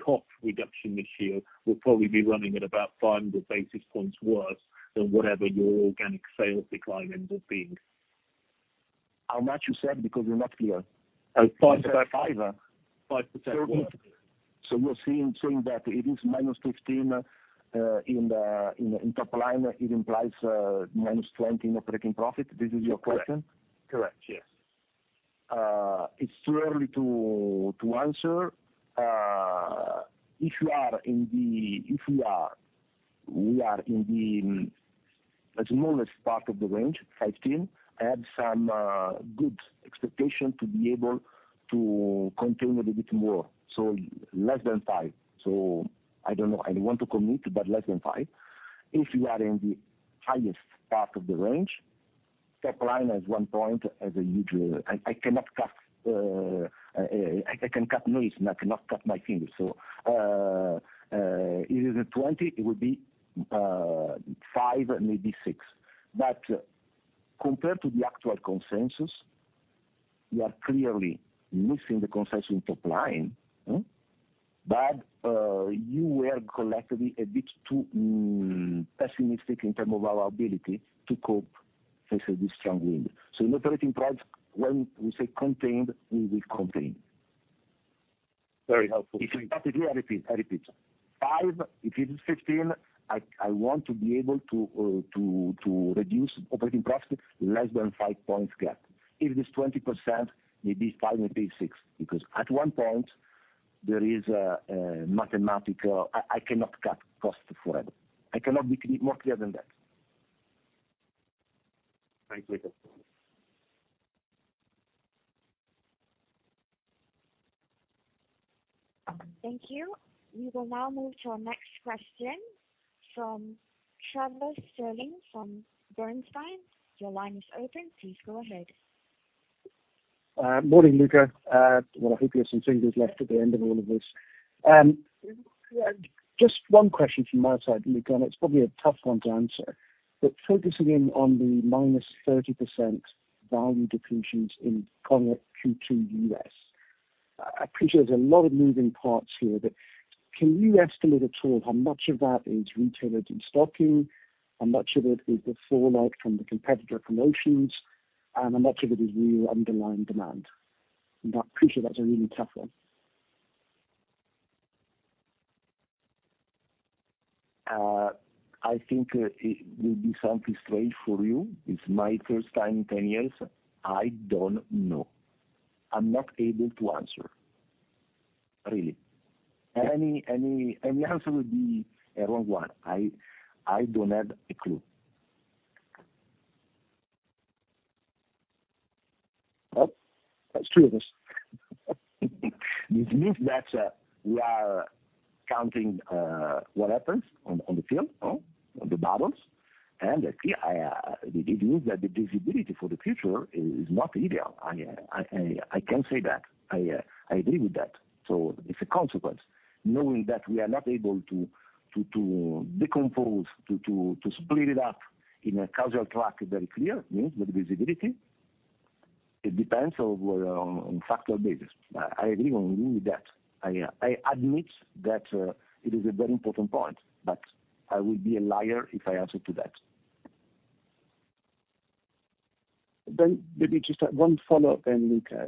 cost reduction this year will probably be running at about 500 basis points worse than whatever your organic sales decline ends up being? How much you said? Because I'm not clear. 5%. Five? 5%, yeah. So we're seeing, saying that it is -15 in the top line, it implies -20 in operating profit. This is your question? Correct. Correct, yes. It's too early to answer. If we are in the smallest part of the range, 15, I have some good expectation to be able to contain a little bit more. So less than 5. So I don't know. I don't want to commit, but less than 5. If you are in the highest part of the range, top line at 1 point, as usual, I cannot cut, I can cut noise, and I cannot cut my fingers. So it is a 20, it will be 5, maybe 6. But compared to the actual consensus, we are clearly missing the consensus top line, hmm? But you were collectively a bit too pessimistic in terms of our ability to cope facing this strong wind. In operating profits, when we say contained, we will contain. Very helpful. If it is, I repeat, I repeat. 5, if it is 15, I want to be able to to reduce operating profit less than 5 points gap. If it is 20%, maybe 5, maybe 6, because at 1 point, there is a mathematical. I cannot cut costs forever. I cannot be more clear than that. Thank you, Luca. Thank you. We will now move to our next question from Trevor Stirling from Bernstein. Your line is open. Please go ahead. Morning, Luca. Well, I hope you have some fingers left at the end of all of this. Just one question from my side, Luca, and it's probably a tough one to answer. But focusing in on the -30% value depletions in Q2 U.S. I appreciate there's a lot of moving parts here, but can you estimate at all how much of that is retailer destocking, how much of it is the fallout from the competitor promotions, and how much of it is real underlying demand? I appreciate that's a really tough one. I think it will be something straight for you. It's my first time in 10 years. I don't know. I'm not able to answer. Really. Any answer would be a wrong one. I don't have a clue. Oh, there's two of us. This means that we are counting what happens on the field, on the battles. And clear, it means that the visibility for the future is not ideal. I can say that. I agree with that. So it's a consequence, knowing that we are not able to decompose, to split it up in a casual track, very clear, means the visibility. It depends on factual basis. I agree with that. I admit that it is a very important point, but I would be a liar if I answer to that. Then maybe just one follow-up then, Luca.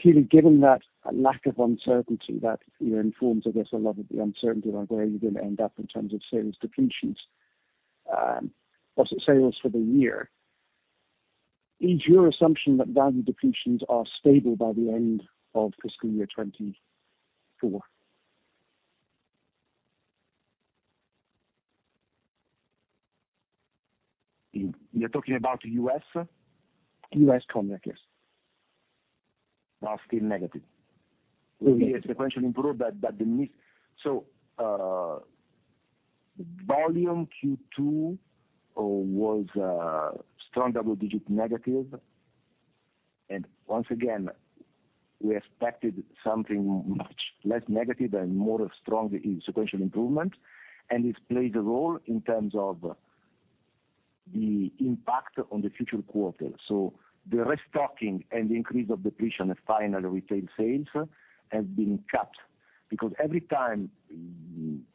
Clearly, given that lack of uncertainty, that informs, I guess, a lot of the uncertainty about where you're going to end up in terms of sales depletions, also sales for the year, is your assumption that value depletions are stable by the end of fiscal year 2024? You're talking about the U.S.? U.S. Comet, yes. Are still negative. Mm-hmm. Will be a sequential improvement, but the mix... So, volume Q2 was a strong double-digit negative. And once again, we expected something much less negative and more strong in sequential improvement, and it played a role in terms of the impact on the future quarter. So the restocking and the increase of depletion of final retail sales has been capped. Because every time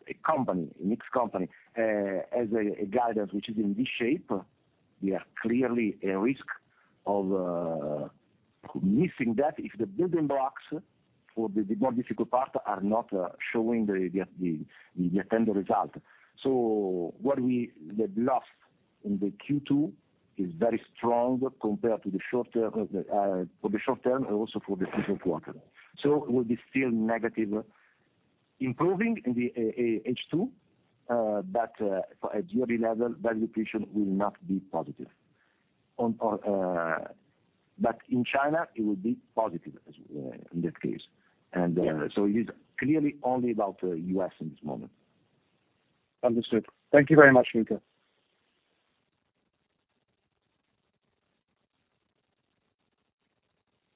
a company, a mixed company, has a guidance, which is in this shape, we are clearly a risk of missing that if the building blocks for the more difficult parts are not showing the intended result. So what we had lost in the Q2 is very strong compared to the short-term, for the short-term and also for the future quarter. So it will be still negative, improving in the H2, but at yearly level, value depletion will not be positive. But in China, it will be positive, as in that case. Yeah. So it is clearly only about U.S. in this moment. Understood. Thank you very much, Luca.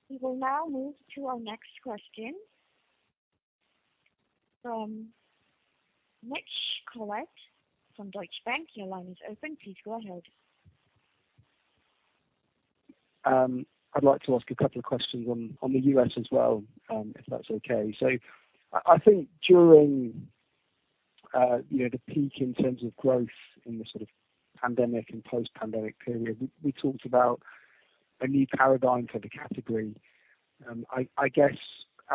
We will now move to our next question from Mitch Collett from Deutsche Bank. Your line is open. Please go ahead. I'd like to ask a couple of questions on, on the U.S. as well, if that's okay. So I, I think during, you know, the peak in terms of growth in the sort of pandemic and post-pandemic period, we, we talked about a new paradigm for the category. I, I guess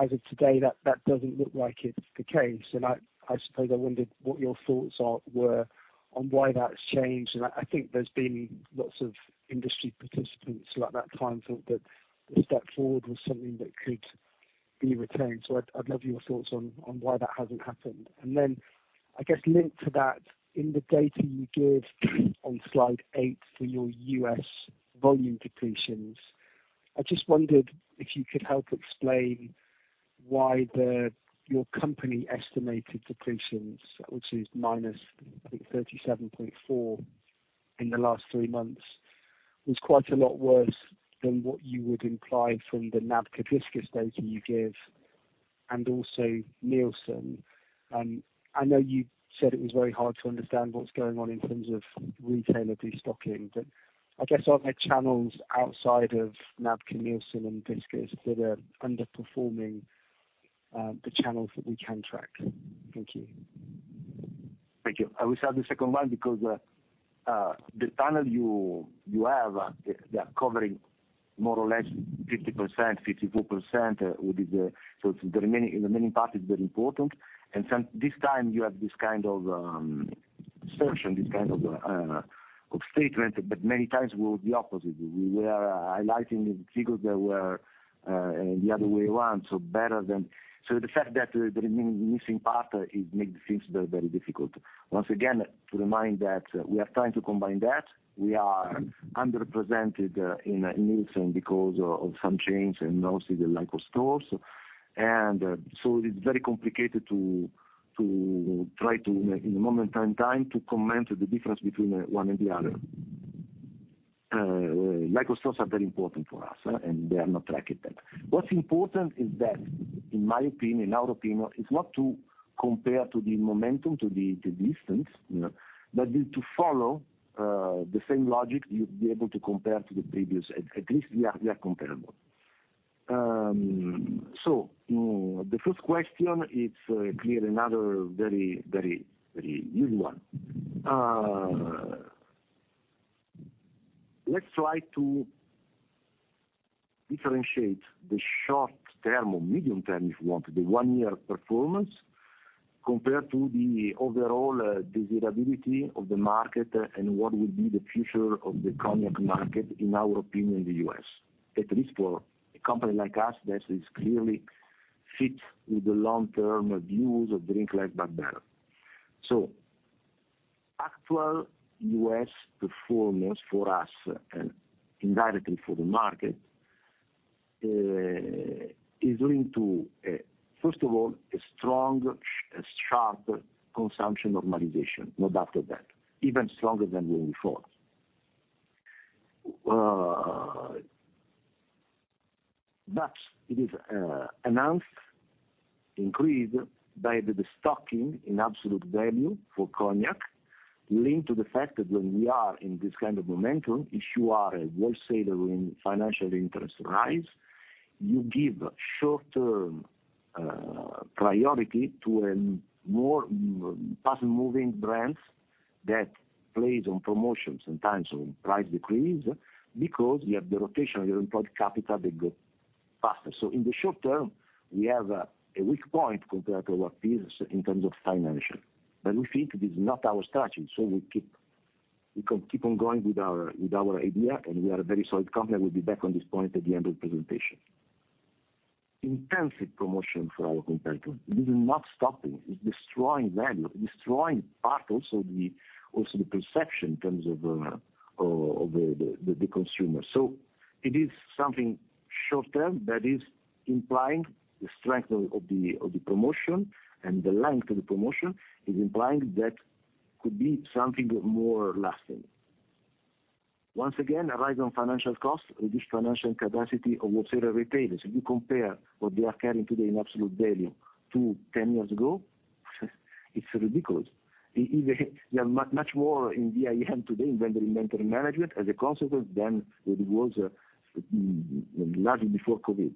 as of today, that, that doesn't look like it's the case. And I, I suppose I wondered what your thoughts are... were, on why that's changed. And I, I think there's been lots of industry participants around that time thought that the step forward was something that could be retained. So I'd, I'd love your thoughts on, on why that hasn't happened. And then, I guess linked to that, in the data you give on slide 8 for your U.S. volume depletions, I just wondered if you could help explain... Why your company estimated depletions, which is minus, I think, 37.4 in the last three months, was quite a lot worse than what you would imply from the NABCA, Kantar, IRI data you give, and also Nielsen. I know you said it was very hard to understand what's going on in terms of retailer destocking, but I guess are there channels outside of NABCA, Kantar, and IRI that are underperforming, the channels that we can track? Thank you. Thank you. I will start the second one because the panel you have, they are covering more or less 50%, 54% would be the—so the remaining, the remaining part is very important. This time, you have this kind of search and this kind of statement, but many times we were the opposite. We were highlighting the figures that were the other way around, so better than... So the fact that the remaining missing part is make things very, very difficult. Once again, to remind that we are trying to combine that. We are underrepresented in Nielsen because of some change and also the lack of stores. So it's very complicated to try to, in the moment in time, to comment the difference between one and the other. Like I said, are very important for us, and they are not tracked at that. What's important is that, in my opinion, in our opinion, is not to compare to the momentum, to the, the distance, you know, but to follow the same logic, you'd be able to compare to the previous. At least we are comparable. The first question is clearly another very, very, very easy one. Let's try to differentiate the short-term or medium term, if you want, the one-year performance, compared to the overall desirability of the market and what would be the future of the cognac market, in our opinion, in the U.S. At least for a company like us, that is clearly fit with the long-term views of drink less but better. So actual U.S. performance for us and indirectly for the market, is going to, first of all, a strong, a sharp consumption normalization, no doubt of that, even stronger than we thought. But it is, enhanced, increased by the destocking in absolute value for cognac, linked to the fact that when we are in this kind of momentum, if you are a wholesaler in financial interest rise, you give short-term, priority to a more fast-moving brands that plays on promotions and times of price decrease, because you have the rotation of your employed capital that go faster. So in the short-term, we have a, a weak point compared to our peers in terms of financial, but we think this is not our strategy, so we keep, we can keep on going with our, with our idea, and we are a very solid company. I will be back on this point at the end of the presentation. Intensive promotion for our competitor, it is not stopping, it's destroying value, destroying part, also the perception in terms of the consumer. So it is something short-term that is implying the strength of the promotion, and the length of the promotion is implying that could be something more lasting. Once again, a rise on financial costs reduce financial capacity of wholesaler, retailers. If you compare what they are carrying today in absolute value to 10 years ago, it's ridiculous. Even they are much more in DIM today than the inventory management as a consequence than it was largely before COVID.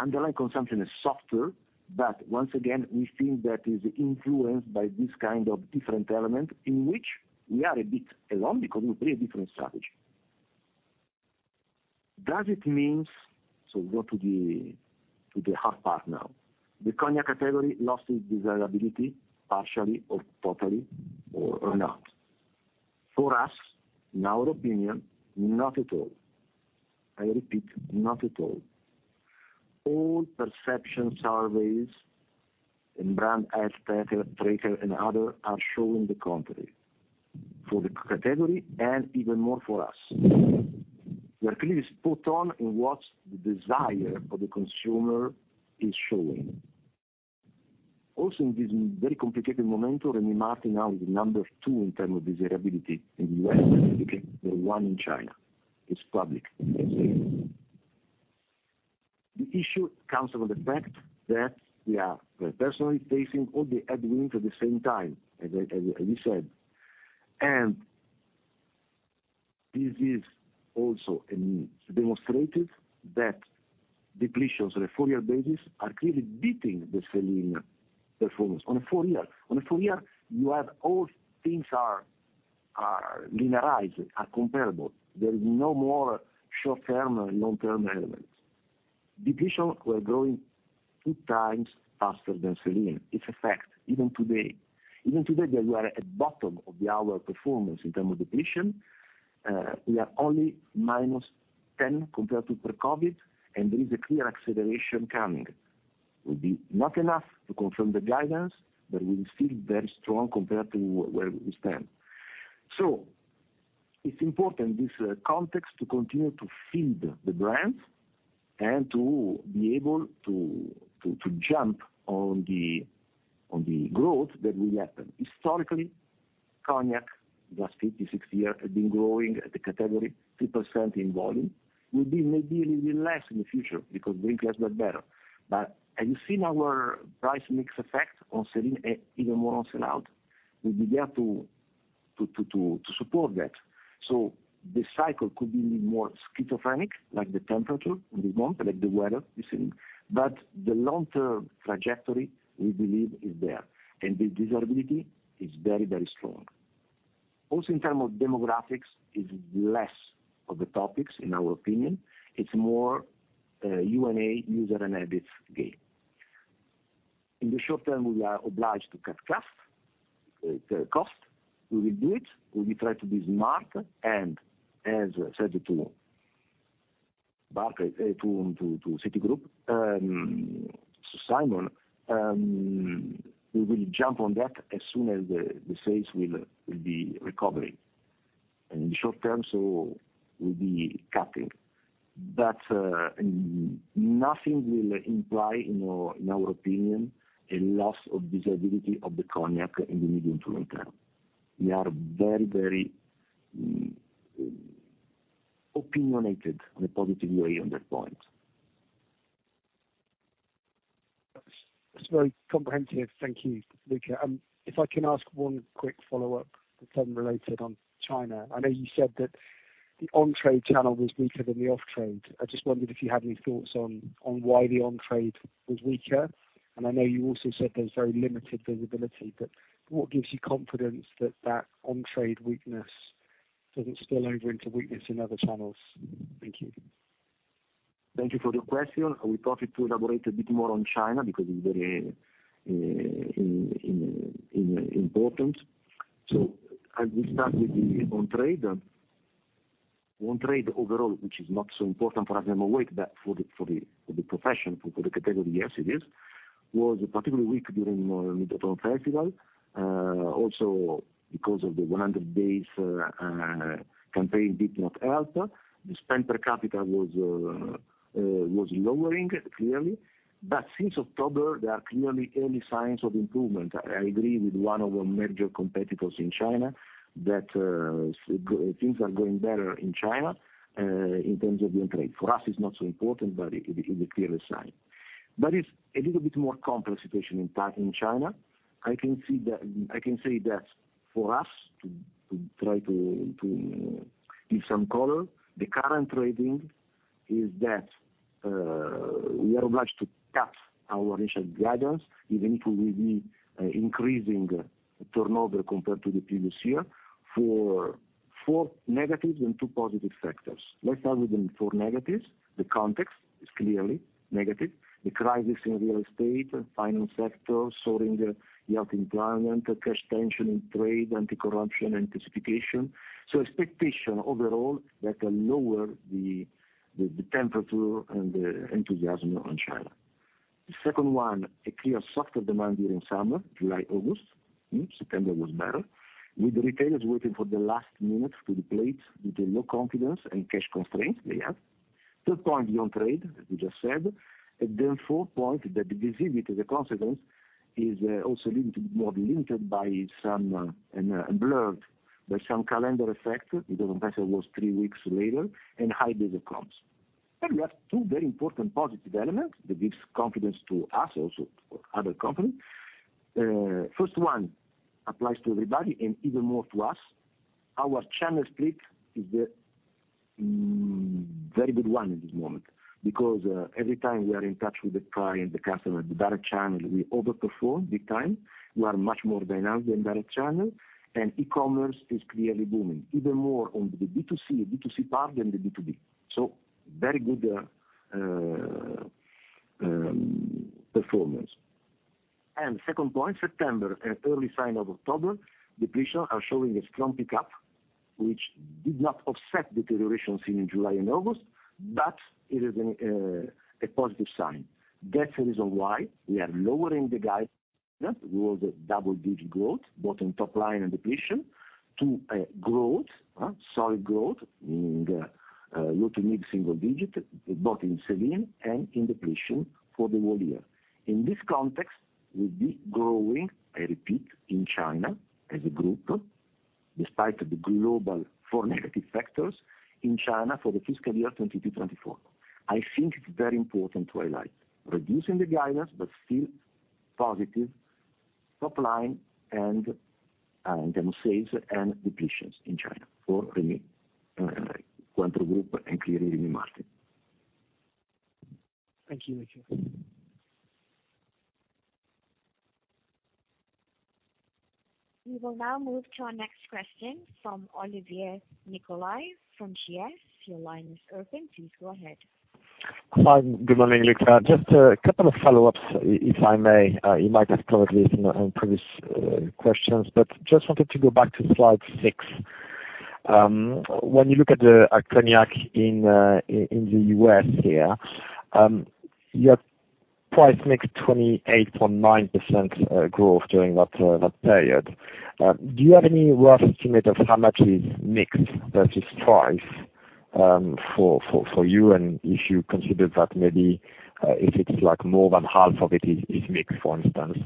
Underlying consumption is softer, but once again, we think that is influenced by this kind of different element, in which we are a bit alone because we play a different strategy. Does it means... So go to the hard part now. The cognac category lost its desirability, partially or totally, or, or not? For us, in our opinion, not at all. I repeat, not at all. All perception surveys and brand health tracker and other are showing the contrary for the category and even more for us. We are clearly spot on in what the desire of the consumer is showing. Also, in this very complicated moment, Rémy Martin now is the number two in term of desirability in the U.S., the one in China, it's public. The issue comes from the fact that we are personally facing all the headwinds at the same time, as I, as we said. This is also demonstrated that depletions on a four-year basis are clearly beating the sell-in performance on a four-year. On a four-year, you have all things are, are linearized, are comparable. There is no more short-term or long-term elements. Depletions were growing two times faster than sell-in. It's a fact, even today. Even today, they were at bottom of our performance in terms of depletion. We are only -10% compared to pre-COVID, and there is a clear acceleration coming. Will be not enough to confirm the guidance, but we feel very strong compared to where we stand. So... It's important, this context to continue to feed the brands and to be able to jump on the growth that will happen. Historically, Cognac, last 50, 60 years, has been growing at the category 3% in volume, will be maybe a little bit less in the future because drink has got better. But as you see our price-mix effect on sell-in even more on sell-out, we'll be there to support that. So the cycle could be more schizophrenic, like the temperature in this moment, like the weather this evening. But the long-term trajectory, we believe, is there, and the desirability is very, very strong. Also, in term of demographics, is less of the topics in our opinion. It's more, U&A, user and habits game. In the short-term, we are obliged to cut costs, cost. We will do it. We will try to be smart, and as I said it to Barclays, to Citigroup, Simon, we will jump on that as soon as the sales will be recovering. In the short-term, so we'll be cutting, but nothing will imply, in our opinion, a loss of visibility of the cognac in the medium to long-term. We are very, very opinionated in a positive way on that point. That's very comprehensive. Thank you, Luca. If I can ask one quick follow-up, the trend related to China. I know you said that the on-trade channel was weaker than the off-trade. I just wondered if you had any thoughts on why the on-trade was weaker, and I know you also said there's very limited visibility, but what gives you confidence that on-trade weakness doesn't spill over into weakness in other channels? Thank you. Thank you for the question. We prefer to elaborate a bit more on China because it's very important. So as we start with the on-trade, on-trade overall, which is not so important for us, I'm awake, but for the profession, for the category, yes, it is, was particularly weak during Mid-Autumn Festival. Also because of the 100 days campaign did not help. The spend per capita was lowering, clearly. But since October, there are clearly early signs of improvement. I agree with one of our major competitors in China, that things are going better in China in terms of the on-trade. For us, it's not so important, but it is a clear sign. But it's a little bit more complex situation, in part in China. I can say that for us, to try to give some color, the current trading is that we are obliged to cut our initial guidance, even if we will be increasing turnover compared to the previous year, for four negatives and two positive factors. Let's start with the four negatives. The context is clearly negative. The crisis in real estate, finance sector, soaring youth employment, cash tension in trade, anti-corruption, anticipation. So expectation overall that can lower the temperature and the enthusiasm on China. The second one, a clear softer demand during summer, July, August, September was better, with retailers waiting for the last minute to deplete with the low confidence and cash constraints they have. Third point, the on-trade, as we just said, and then fourth point, that the visibility as a consequence, is, also limited, more limited by some, and blurred by some calendar effects, because was three weeks later, and high base accounts. Then we have two very important positive elements that gives confidence to us, also to other companies. First one applies to everybody and even more to us. Our channel split is the, very good one in this moment, because, every time we are in touch with the client, the customer, the direct channel, we overperform big time. We are much more dynamic than direct channel, and e-commerce is clearly booming, even more on the B2C, B2C part than the B2B. So very good, performance. Second point, September and early sign of October, depletions are showing a strong pickup, which did not offset deteriorations in July and August, but it is a positive sign. That's the reason why we are lowering the guidance towards a double-digit growth, both in top line and depletions, to a solid growth in low to mid-single digit, both in top line and in depletions for the whole year. In this context, we'll be growing, I repeat, in China as a group, despite the global four negative factors in China for the fiscal year 2022-2024. I think it's very important to highlight, reducing the guidance, but still positive top line and, direct sales and depletions in China for Rémy Cointreau group and clearly Rémy Martin. Thank you, Luca. We will now move to our next question from Olivier Nicolai, from GS. Your line is open. Please go ahead. Hi, good morning, Luca. Just a couple of follow-ups, if I may. You might have covered this in previous questions, but just wanted to go back to slide 6. When you look at the cognac in the U.S. here, you have price mix 28.9% growth during that period. Do you have any rough estimate of how much is mix versus price for you? And if you consider that maybe if it's like more than half of it is mixed, for instance.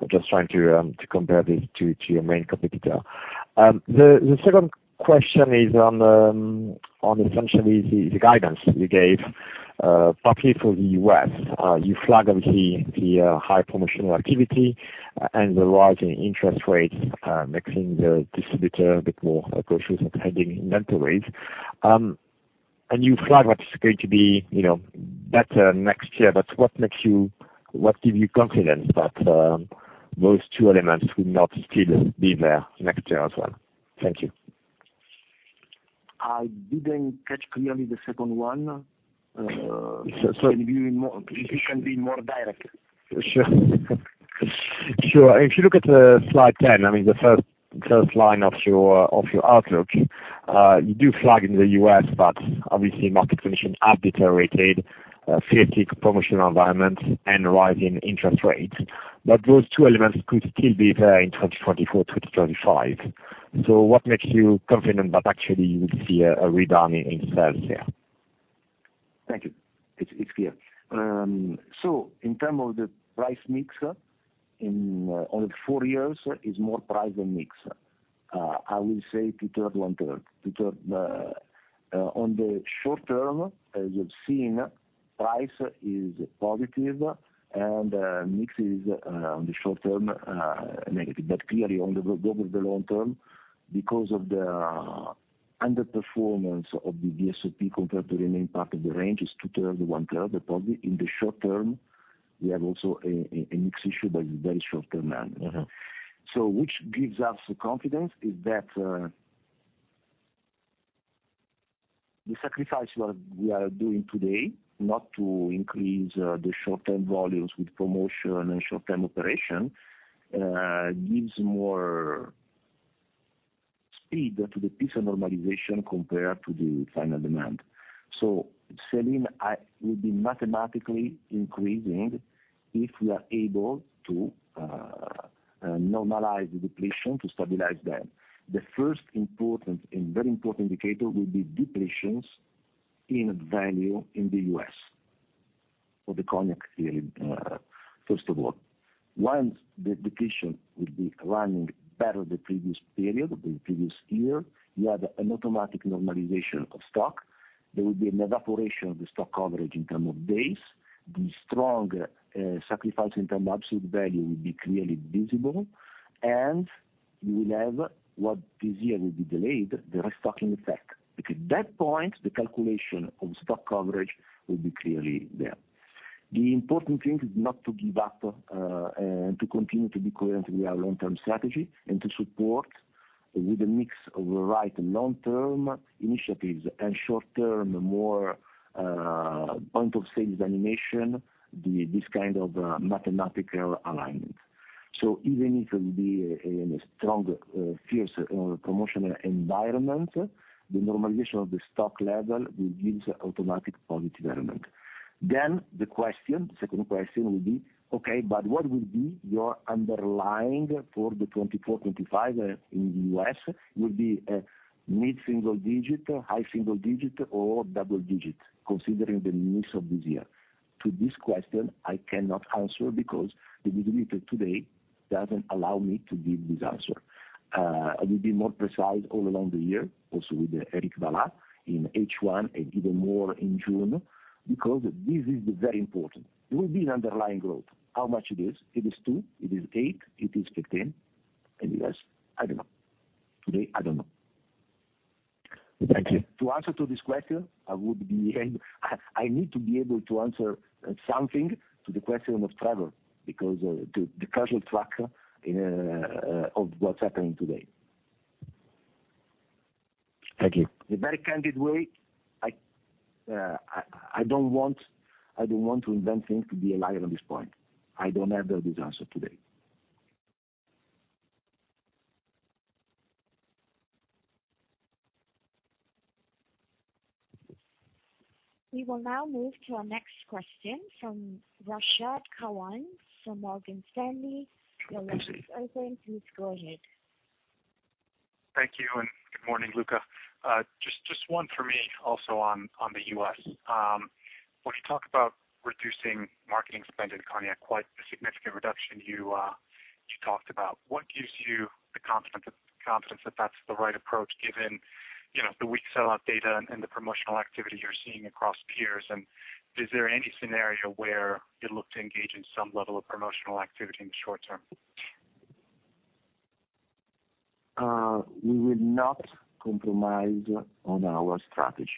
I'm just trying to compare this to your main competitor. The second question is on essentially the guidance you gave, partly for the U.S. You flagged obviously the high promotional activity and the rising interest rates, making the distributor a bit more cautious of having inventories. And you flagged what is going to be, you know, better next year, but what makes you, what gives you confidence that those two elements will not still be there next year as well? Thank you. I didn't catch clearly the second one. So can you be more, if you can be more direct? Sure. Sure. If you look at the slide 10, I mean, the first, first line of your, of your outlook, you do flag in the U.S., but obviously market conditions have deteriorated, fierce promotional environments and rising interest rates. But those two elements could still be there in 2024, 2025. So what makes you confident that actually you will see a, a rebound in sales there? Thank you. It's clear. So in terms of the price-mix, over four years is more price than mix. I will say two-thirds, one-third. Two-thirds on the short-term, as you've seen, price is positive, and mix is on the short-term negative. But clearly over the long-term, because of the underperformance of the VSOP compared to the main part of the range is two-thirds, one-third. Probably in the short-term, we have also a mix issue that is very short-term. So which gives us the confidence is that the sacrifice what we are doing today, not to increase the short-term volumes with promotion and short-term operation gives more speed to the pace of normalization compared to the end demand. So sell-in will be mathematically increasing if we are able to normalize the depletions to stabilize them. The first important and very important indicator will be depletions in value in the U.S., for the cognac period, first of all. Once the depletions will be running better than the previous period, the previous year, you have an automatic normalization of stock. There will be an evaporation of the stock coverage in terms of days. The strong sacrifice in terms of absolute value will be clearly visible, and you will have what this year will be delayed, the restocking effect. Because at that point, the calculation of stock coverage will be clearly there. The important thing is not to give up, and to continue to be coherent with our long-term strategy, and to support with a mix of the right long-term initiatives and short-term, more, point of sales animation, the, this kind of, mathematical alignment. So even if it will be in a strong, fierce, promotional environment, the normalization of the stock level will give automatic positive element. Then the question, the second question will be, "Okay, but what will be your underlying for the 2024, 2025, in the U.S.? Will be a mid-single digit, high single digit, or double digit, considering the mix of this year? To this question, I cannot answer because the visibility today doesn't allow me to give this answer. I will be more precise all along the year, also with Éric Vallat in H1 and even more in June, because this is very important. It will be an underlying growth. How much it is? It is 2, it is 8, it is 15, in the U.S.? I don't know. Today, I don't know. Thank you. To answer to this question, I need to be able to answer something to the question of Trevor, because the current track of what's happening today. Thank you. In a very candid way, I don't want to invent things to be a liar on this point. I don't have this answer today. We will now move to our next question from Rashad Kawan, from Morgan Stanley. Your line is open. Please go ahead. Thank you, and good morning, Luca. Just one for me, also on the U.S. When you talk about reducing marketing spend in Cognac, quite a significant reduction, you talked about. What gives you the confidence that that's the right approach, given, you know, the weak sellout data and the promotional activity you're seeing across peers? And is there any scenario where you'd look to engage in some level of promotional activity in the short-term? We will not compromise on our strategy.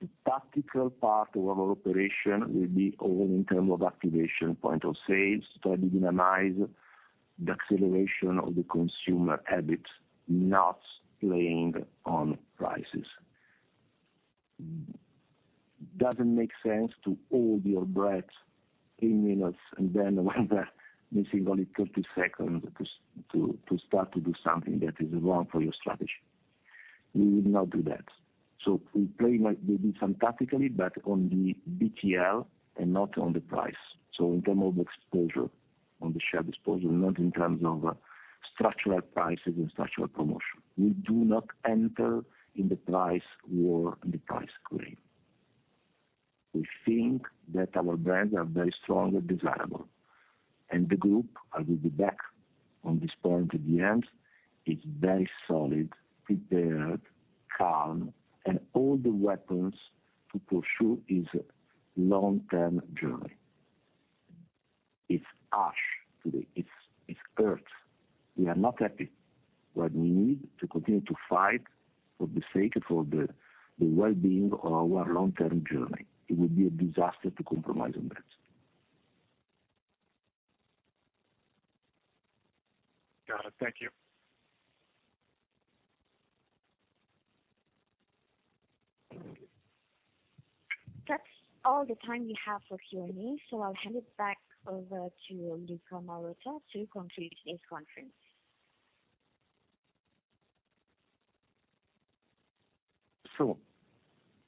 The tactical part of our operation will be all in terms of activation, point of sales, try to dynamize the acceleration of the consumer habits, not playing on prices. Doesn't make sense to hold your breath 8 minutes, and then when the missing only 30 seconds to start to do something that is wrong for your strategy. We will not do that. So we play might maybe some tactically, but on the BTL and not on the price. So in terms of exposure, on the share of disposal, not in terms of structural prices and structural promotion, we do not enter in the price war and the price scheme. We think that our brands are very strong and desirable, and the group, I will be back on this point at the end, is very solid, prepared, calm, and all the weapons to pursue its long-term journey. It's harsh today, it hurts. We are not happy, but we need to continue to fight for the sake and for the well-being of our long-term journey. It would be a disaster to compromise on this. Got it. Thank you. That's all the time we have for Q&A, so I'll hand it back over to Luca Marotta to conclude today's conference.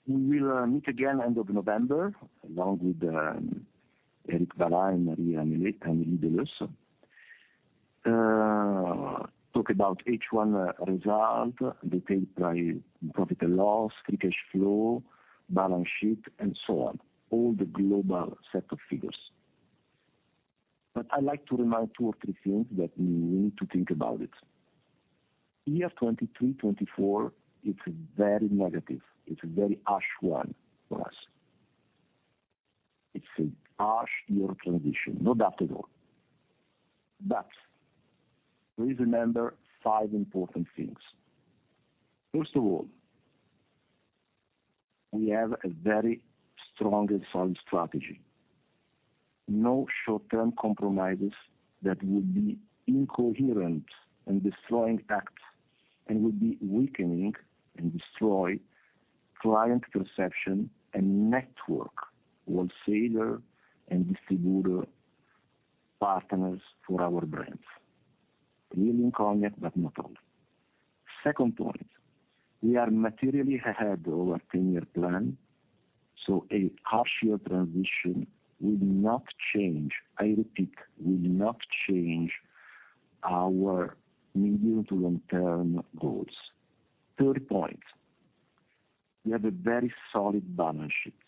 We will meet again end of November, along with Éric Vallat, Marie-Amélie de Leusse, to talk about H1 result, detailed by profit and loss, free cash flow, balance sheet, and so on, all the global set of figures. I'd like to remind two or three things that we need to think about. Year 2023-2024, it's very negative. It's a very harsh one for us. It's a harsh year transition, no doubt at all. Please remember five important things. First of all, we have a very strong and solid strategy. No short-term compromises that would be incoherent and destroying act, and would be weakening and destroy client perception and network, wholesaler and distributor partners for our brands, mainly cognac, but not all. Second point, we are materially ahead of our 10-year plan, so a harsh year transition will not change, I repeat, will not change our medium- to long-term goals. Third point, we have a very solid balance sheet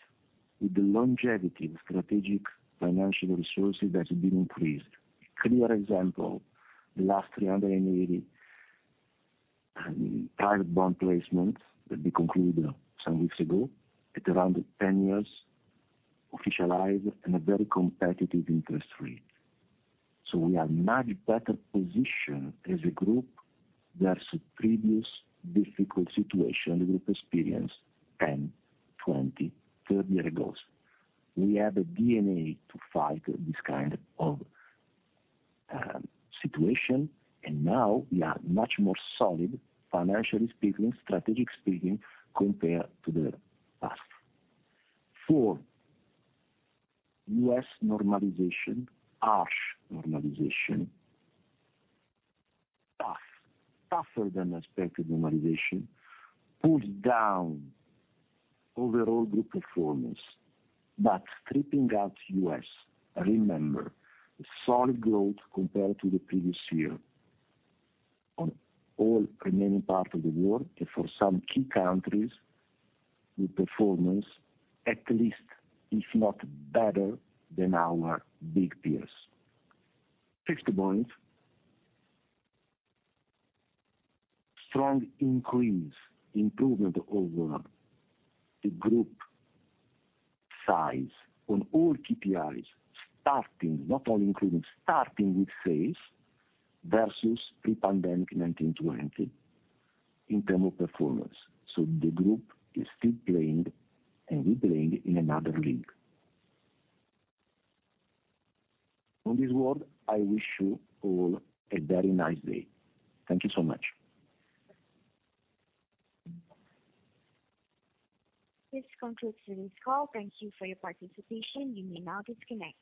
with the longevity of strategic financial resources that have been increased. Clear example, the last 380 private bond placement that we concluded some weeks ago, at around 10 years, officialized in a very competitive interest rate. So we are much better positioned as a group versus previous difficult situation the group experienced 10, 20, 30 years ago. We have a DNA to fight this kind of situation, and now we are much more solid, financially speaking, strategic speaking, compared to the past. Four, U.S. normalization, harsh normalization. Tough, tougher than expected normalization, pulled down overall group performance. But stripping out U.S., remember, solid growth compared to the previous year on all remaining parts of the world, and for some key countries, the performance at least, if not better, than our big peers. Fifth point, strong increase, improvement over the group size on all KPIs, starting, not only including, starting with sales versus pre-pandemic 2019-2020, in terms of performance. So the group is still playing, and we playing in another league. On this word, I wish you all a very nice day. Thank you so much. This concludes today's call. Thank you for your participation. You may now disconnect.